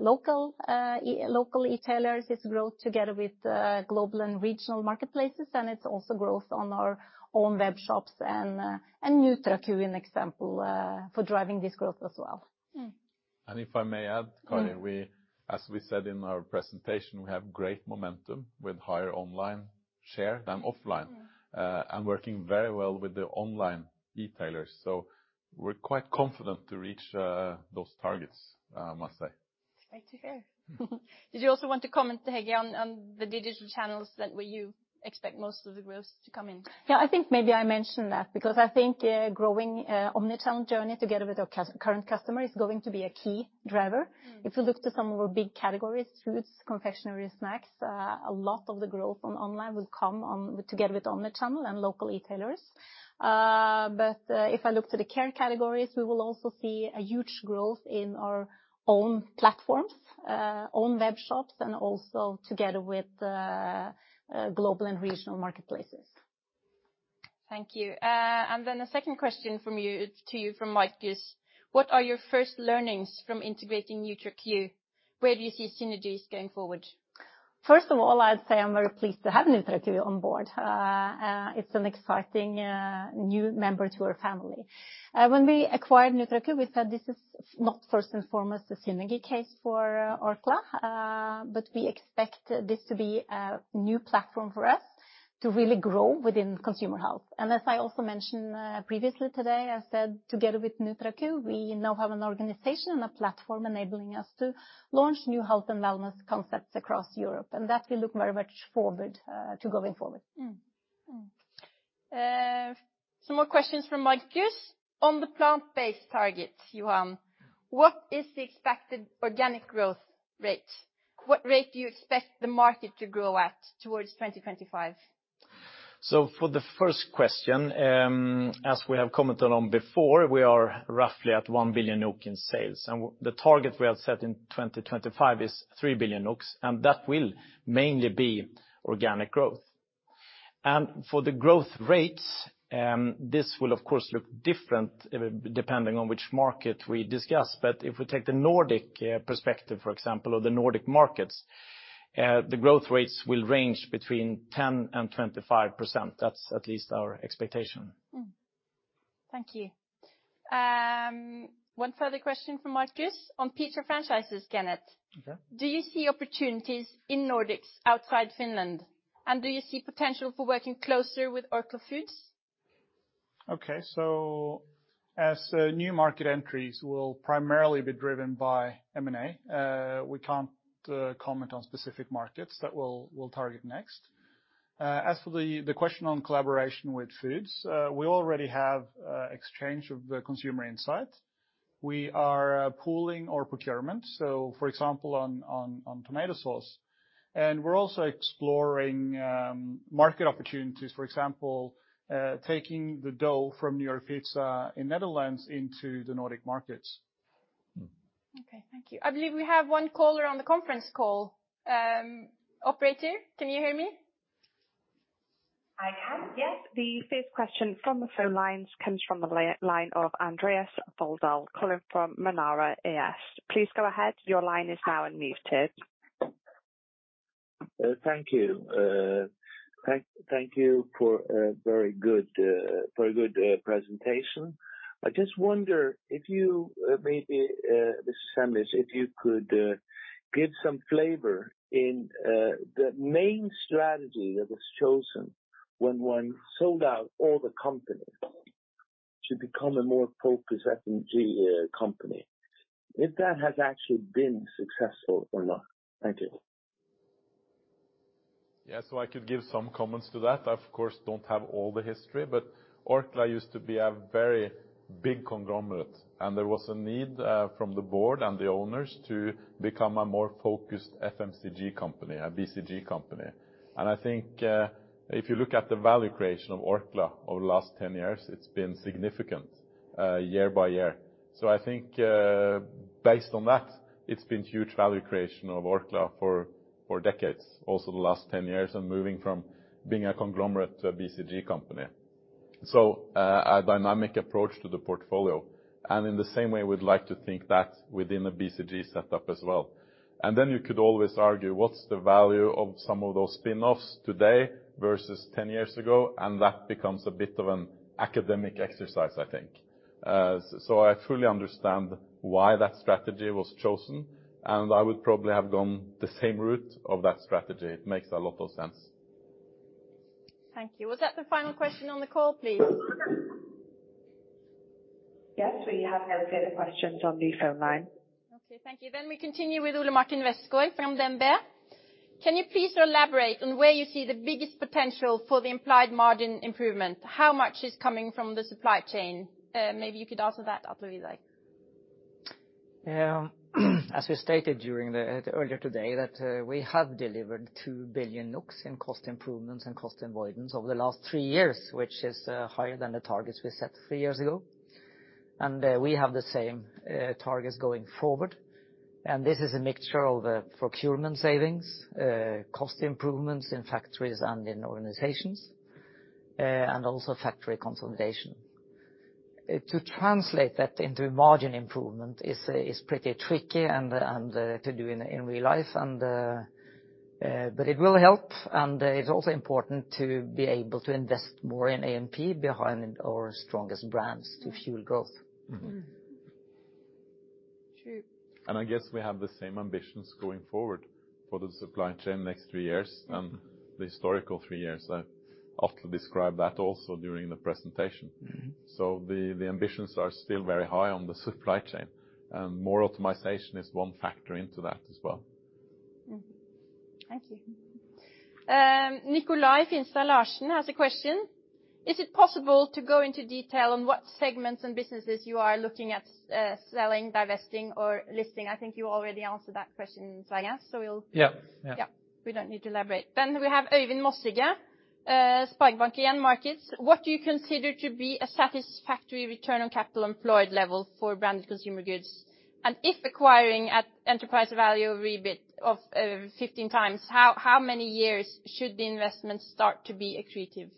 local e-tailers. It's growth together with global and regional marketplaces, and it's also growth on our own web shops and NutraQ, an example for driving this growth as well. And if I may add, Kari- Mm-hmm We, as we said in our presentation, we have great momentum with higher online share than offline and working very well with the online e-tailers, so we're quite confident to reach those targets, I must say. Great to hear. Did you also want to comment, Hege, on, on the digital channels that, where you expect most of the growth to come in? Yeah, I think maybe I mentioned that because I think growing omni-channel journey together with our current customer is going to be a key driver. If you look to some of our big categories, foods, confectionery, snacks, a lot of the growth on online will come on... together with omni-channel and local e-tailers. But, if I look to the care categories, we will also see a huge growth in our own platforms, own web shops, and also together with global and regional marketplaces. Thank you. And then a second question from you, to you from Markus: What are your first learnings from integrating NutraQ? Where do you see synergies going forward? First of all, I'd say I'm very pleased to have NutraQ on board. It's an exciting new member to our family. When we acquired NutraQ, we said this is not first and foremost a synergy case for Orkla, but we expect this to be a new platform for us to really grow within consumer health, and as I also mentioned previously today, I said together with NutraQ, we now have an organization and a platform enabling us to launch new health and wellness concepts across Europe, and that we look very much forward to going forward. Some more questions from Markus. On the plant-based target, Johan, what is the expected organic growth rate? What rate do you expect the market to grow at towards 2025? For the first question, as we have commented on before, we are roughly at one billion NOK in sales, and the target we have set in 2025 is three billion NOK, and that will mainly be organic growth. For the growth rates, this will of course look different depending on which market we discuss. If we take the Nordic perspective, for example, or the Nordic markets, the growth rates will range between 10% and 25%. That's at least our expectation. Thank you. One further question from Markus. On pizza franchises, Kenneth. Okay. Do you see opportunities in Nordics outside Finland? And do you see potential for working closer with Orkla Foods? Okay, so as new market entries will primarily be driven by M&A, we can't comment on specific markets that we'll target next. As for the question on collaboration with foods, we already have exchange of the consumer insight. We are pooling our procurement, so for example, on tomato sauce. And we're also exploring market opportunities, for example, taking the dough from New York Pizza in Netherlands into the Nordic markets. Okay, thank you. I believe we have one caller on the conference call. Operator, can you hear me? I can, yes. The first question from the phone lines comes from the line of Andreas Foldal, calling from Manara AS. Please go ahead. Your line is now unmuted. Thank you. Thank you for a good presentation. I just wonder if you, maybe, Mr. Semlitsch if you could give some flavor in the main strategy that was chosen when one sold out all the company to become a more focused BCG company, if that has actually been successful or not? Thank you. Yes, so I could give some comments to that. I, of course, don't have all the history, but Orkla used to be a very big conglomerate, and there was a need from the board and the owners to become a more focused FMCG company, a BCG company. And I think, if you look at the value creation of Orkla over the last 10 years, it's been significant year by year. So I think, based on that, it's been huge value creation of Orkla for decades, also the last 10 years, and moving from being a conglomerate to a BCG company. So, a dynamic approach to the portfolio, and in the same way, we'd like to think that within a BCG setup as well. And then you could always argue, what's the value of some of those spin-offs today versus 10 years ago? And that becomes a bit of an academic exercise, I think. So I truly understand why that strategy was chosen, and I would probably have gone the same route of that strategy. It makes a lot of sense. Thank you. Was that the final question on the call, please? Yes, we have no further questions on the phone line. Okay, thank you. Then we continue with Ole Martin Westgaard from DNB. Can you please elaborate on where you see the biggest potential for the implied margin improvement? How much is coming from the supply chain? Maybe you could answer that, Atle, if you like. Yeah. As we stated during the earlier today, that we have delivered two billion NOK in cost improvements and cost avoidance over the last three years, which is higher than the targets we set three years ago. And we have the same targets going forward, and this is a mixture of procurement savings, cost improvements in factories and in organizations, and also factory consolidation. To translate that into margin improvement is pretty tricky and to do in real life. But it will help, and it's also important to be able to invest more in A&P behind our strongest brands to fuel growth. Sure. I guess we have the same ambitions going forward for the supply chain next three years and the historical three years. I often describe that also during the presentation. So the ambitions are still very high on the supply chain, and more optimization is one factor into that as well. Mm-hmm. Thank you. Niklas Finstad has a question: Is it possible to go into detail on what segments and businesses you are looking at, selling, divesting, or listing? I think you already answered that question, Sverre, so we'll- Yeah. Yeah. Yeah, we don't need to elaborate. Then we have Øyvind Mossige, SpareBank 1 Markets: What do you consider to be a satisfactory return on capital employed level for branded consumer goods? And if acquiring at enterprise value, EBIT of 15 times, how many years should the investment start to be accretive?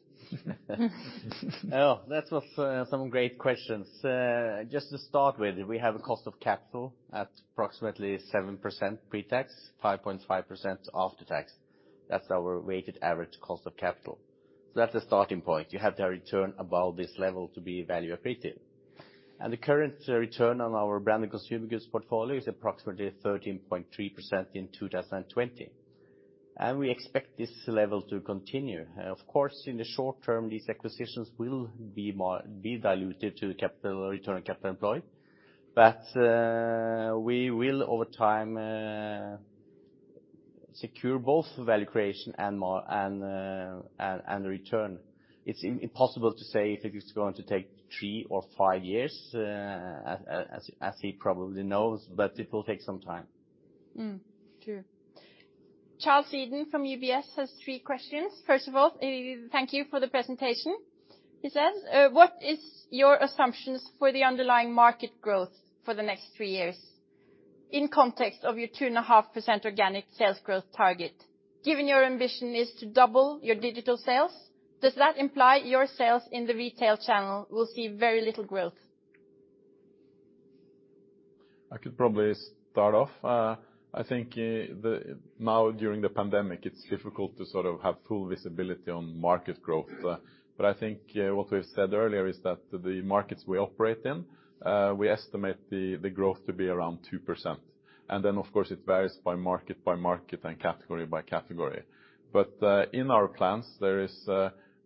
Oh, that was some great questions. Just to start with, we have a cost of capital at approximately 7% pre-tax, 5.5% after tax. That's our weighted average cost of capital. So that's the starting point. You have to have return above this level to be value accretive. And the current return on our branded consumer goods portfolio is approximately 13.3% in 2020, and we expect this level to continue. Of course, in the short term, these acquisitions will be more dilutive to the return on capital employed, but we will, over time, secure both value creation and margin and return. It's impossible to say if it is going to take three or five years, as he probably knows, but it will take some time. Mm, sure. Charles Eden from UBS has three questions. First of all, thank you for the presentation. He says, "What is your assumptions for the underlying market growth for the next three years in context of your 2.5% organic sales growth target? Given your ambition is to double your digital sales, does that imply your sales in the retail channel will see very little growth? I could probably start off. I think, now during the pandemic, it's difficult to sort of have full visibility on market growth. But I think, what we've said earlier is that the markets we operate in, we estimate the growth to be around 2%. And then, of course, it varies by market by market and category by category. But, in our plans, there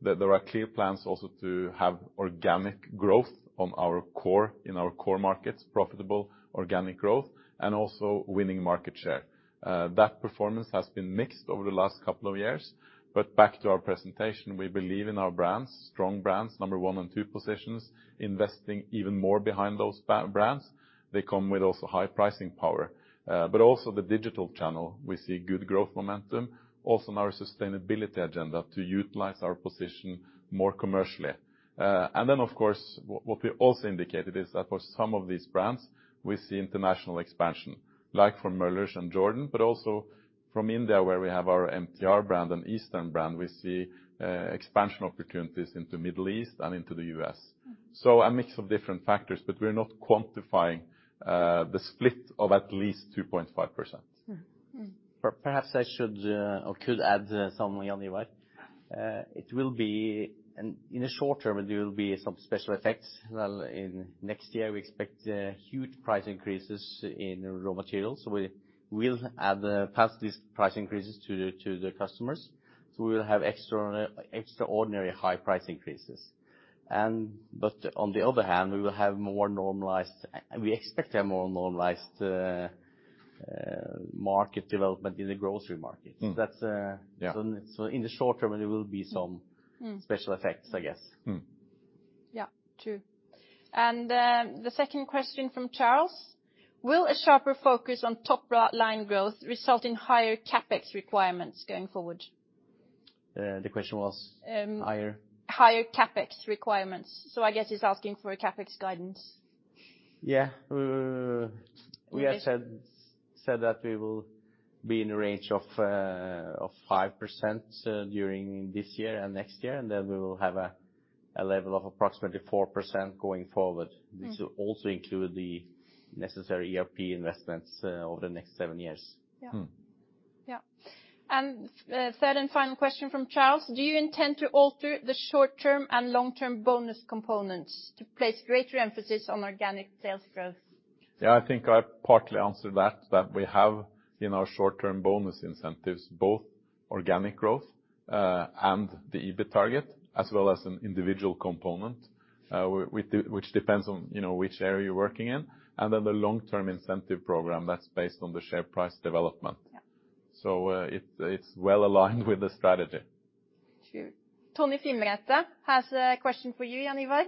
are clear plans also to have organic growth on our core, in our core markets, profitable organic growth, and also winning market share. That performance has been mixed over the last couple of years. But back to our presentation, we believe in our brands, strong brands, number one and two positions, investing even more behind those brands. They come with also high pricing power, but also the digital channel, we see good growth momentum, also in our sustainability agenda to utilize our position more commercially. And then, of course, what we also indicated is that for some of these brands, we see international expansion, like from Möller and Jordan, but also from India, where we have our MTR brand and Eastern brand. We see expansion opportunities into Middle East and into the U.S. So a mix of different factors, but we're not quantifying the split of at least 2.5%. Perhaps I should or could add something, Jan Ivar. It will be. In the short term, there will be some special effects. In next year, we expect huge price increases in raw materials, so we will pass these price increases to the customers. So we will have extraordinary high price increases. But on the other hand, we expect a more normalized market development in the grocery market. That's, uh- Yeah... so in the short term, there will be some special effects, I guess. Yeah, true. And, the second question from Charles: "Will a sharper focus on top line growth result in higher CapEx requirements going forward? The question was? Um- Higher- Higher CapEx requirements, so I guess he's asking for a CapEx guidance. Yeah. We have said that we will be in a range of 5% during this year and next year, and then we will have a level of approximately 4% going forward. This will also include the necessary ERP investments over the next seven years. Yeah. And, third and final question from Charles: "Do you intend to alter the short-term and long-term bonus components to place greater emphasis on organic sales growth? Yeah, I think I partly answered that, that we have in our short-term bonus incentives, both organic growth and the EBIT target, as well as an individual component with which depends on, you know, which area you're working in, and then the long-term incentive program that's based on the share price development. It's well-aligned with the strategy. Sure. Tony Finretta has a question for you, Jan Ivar: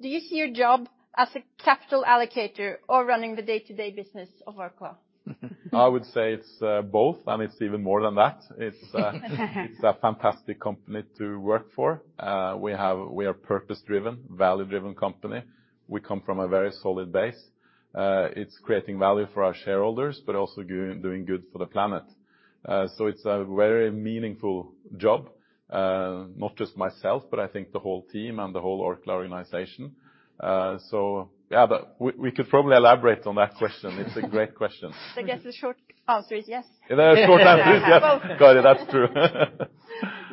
"Do you see your job as a capital allocator or running the day-to-day business of Orkla? I would say it's both, and it's even more than that. It's a fantastic company to work for. We are purpose-driven, value-driven company. We come from a very solid base. It's creating value for our shareholders, but also doing good for the planet. So it's a very meaningful job, not just myself, but I think the whole team and the whole Orkla organization. So, yeah, but we could probably elaborate on that question. It's a great question. I guess the short answer is yes. The short answer is yes. Both. Got it. That's true.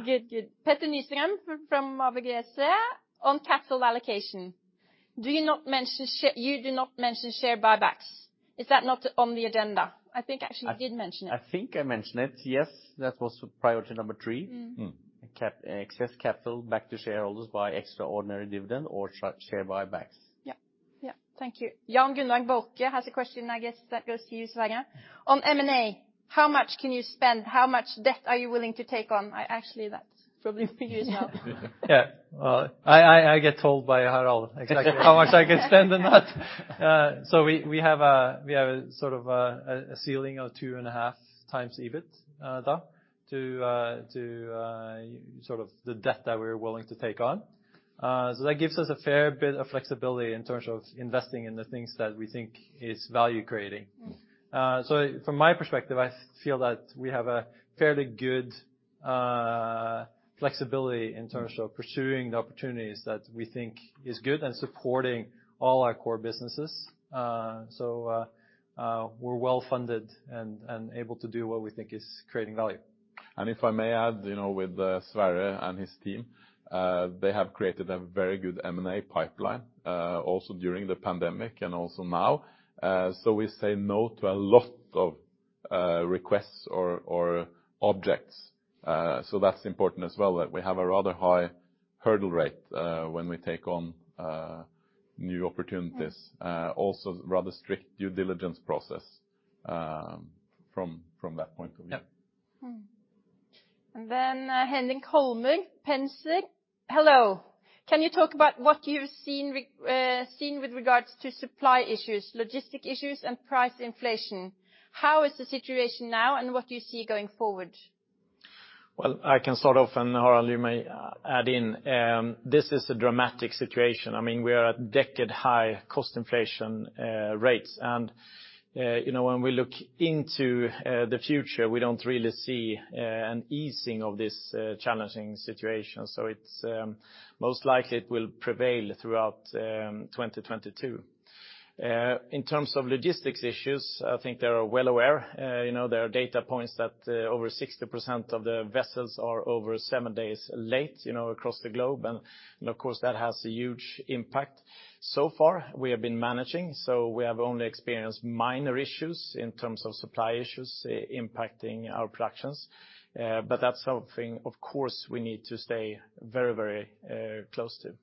Good. Good. Petter Nystrøm from ABG Sundal Collier, on capital allocation: "Do you not mention share buybacks? Is that not on the agenda?" I think actually you did mention it. I think I mentioned it. Yes, that was priority number three. Excess capital back to shareholders by extraordinary dividend or share buybacks. Yeah. Yeah, thank you. Jan Gunnar Vorke has a question, I guess, that goes to you, Sverre. On M&A, "How much can you spend? How much debt are you willing to take on?" I... Actually, that's probably for you as well. Yeah. Well, I get told by Harald exactly how much I can spend on that. So we have a sort of a ceiling of two and a half times EBIT, though to the debt that we're willing to take on. So that gives us a fair bit of flexibility in terms of investing in the things that we think is value creating. So, from my perspective, I feel that we have a fairly good flexibility in terms of pursuing the opportunities that we think is good and supporting all our core businesses. So, we're well-funded and able to do what we think is creating value. And if I may add, you know, with Sverre and his team, they have created a very good M&A pipeline, also during the pandemic and also now. So we say no to a lot of requests or objects. So that's important as well, that we have a rather high hurdle rate when we take on new opportunities. Also, rather strict due diligence process, from that point of view. Yeah. And then, Henning Kolberg, Penser: "Hello. Can you talk about what you've seen with regards to supply issues, logistics issues, and price inflation? How is the situation now, and what do you see going forward? I can start off, and, Harald, you may add in. This is a dramatic situation. I mean, we are at decade-high cost inflation rates. And, you know, when we look into the future, we don't really see an easing of this challenging situation, so it's most likely it will prevail throughout 2022. In terms of logistics issues, I think they are well aware. You know, there are data points that over 60% of the vessels are over seven days late, you know, across the globe, and, of course, that has a huge impact. So far, we have been managing, so we have only experienced minor issues in terms of supply issues impacting our productions. But that's something, of course, we need to stay very, very close to.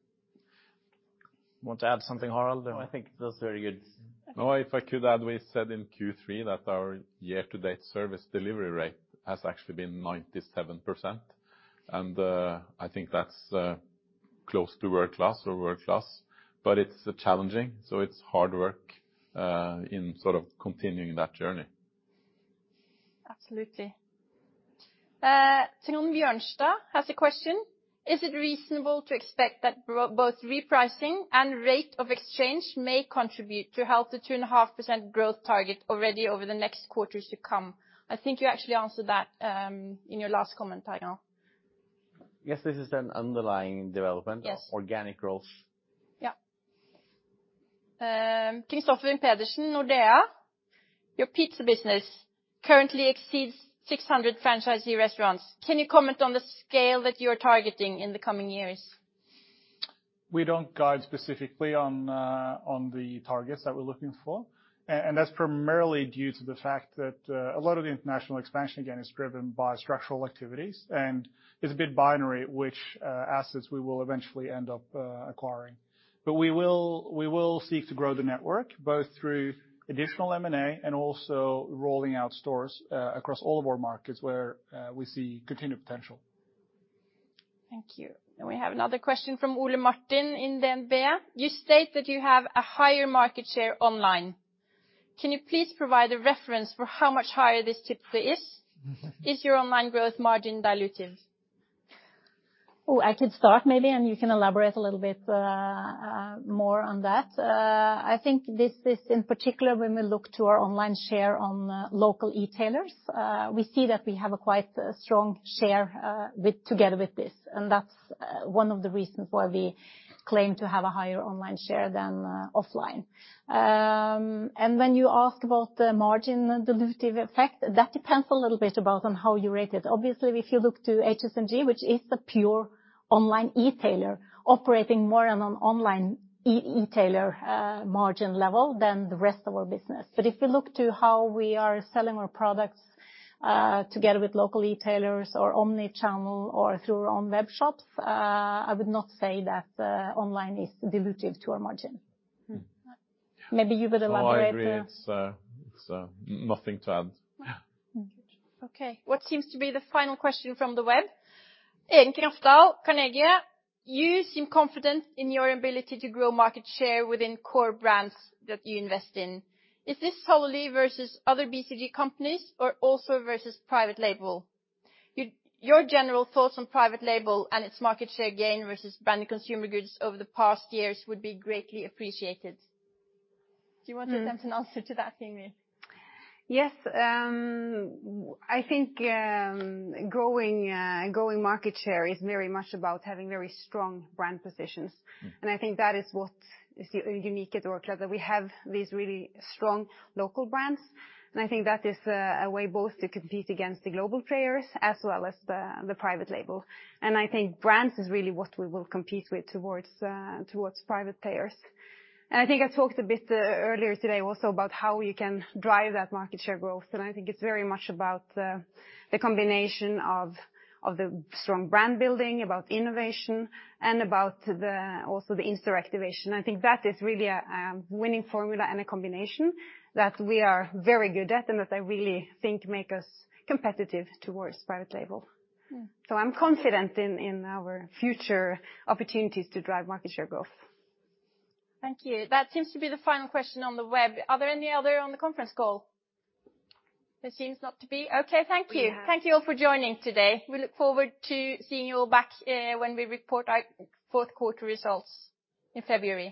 Want to add something, Harald, or I think that's very good? No, if I could add, we said in Q3 that our year-to-date service delivery rate has actually been 97%, and I think that's close to world-class. But it's challenging, so it's hard work in sort of continuing that journey. Absolutely. Trond Bjornstad has a question: "Is it reasonable to expect that both repricing and rate of exchange may contribute to help the 2.5% growth target already over the next quarters to come?" I think you actually answered that in your last comment, Harald. Yes, this is an underlying development. Yes... of organic growth. Yeah. Kristoffer Pedersen, Nordea: "Your pizza business currently exceeds 600 franchisee restaurants. Can you comment on the scale that you're targeting in the coming years? We don't guide specifically on the targets that we're looking for, and that's primarily due to the fact that a lot of the international expansion, again, is driven by structural activities, and it's a bit binary which assets we will eventually end up acquiring. But we will seek to grow the network, both through additional M&A and also rolling out stores across all of our markets, where we see continued potential. Thank you. Then we have another question from Ole Martin Westgaard at DNB Markets: "You state that you have a higher market share online. Can you please provide a reference for how much higher this typically is Is your online growth margin dilutive? Oh, I could start maybe, and you can elaborate a little bit, more on that. I think this is, in particular, when we look to our online share on local e-tailers, we see that we have a quite strong share, wit together with this, and that's, one of the reasons why we claim to have a higher online share than, offline. And when you ask about the margin dilutive effect, that depends a little bit about on how you rate it. Obviously, if you look to HSNG, which is a pure online e-tailer operating more on an online e-tailer, margin level than the rest of our business. But if you look to how we are selling our products together with local e-tailers or Omni-channel or through our own web shops, I would not say that online is dilutive to our margin. Maybe you would elaborate? No, I agree. It's nothing to add. Yeah. Mm-hmm. Okay, what seems to be the final question from the web, Edgar Stahl, Carnegie: "You seem confident in your ability to grow market share within core brands that you invest in. Is this solely versus other BCG companies or also versus private label? Your, your general thoughts on private label and its market share gain versus branded consumer goods over the past years would be greatly appreciated." Do you want to attempt an answer to that, Ingvill? Yes, I think growing market share is very much about having very strong brand positions. And I think that is what is unique at Orkla, that we have these really strong local brands, and I think that is a way both to compete against the global players as well as the private label. And I think brands is really what we will compete with towards private players. And I think I talked a bit earlier today also about how you can drive that market share growth, and I think it's very much about the combination of the strong brand building, about innovation, and about also the instant activation. I think that is really a winning formula and a combination that we are very good at and that I really think make us competitive towards private label. I'm confident in our future opportunities to drive market share growth. Thank you. That sems to be the final question on the web. Are there any other on the conference call? There seems not to be. Okay, thank you. Thank you all for joining today. We look forward to seeing you all back, when we report our fourth quarter results in February.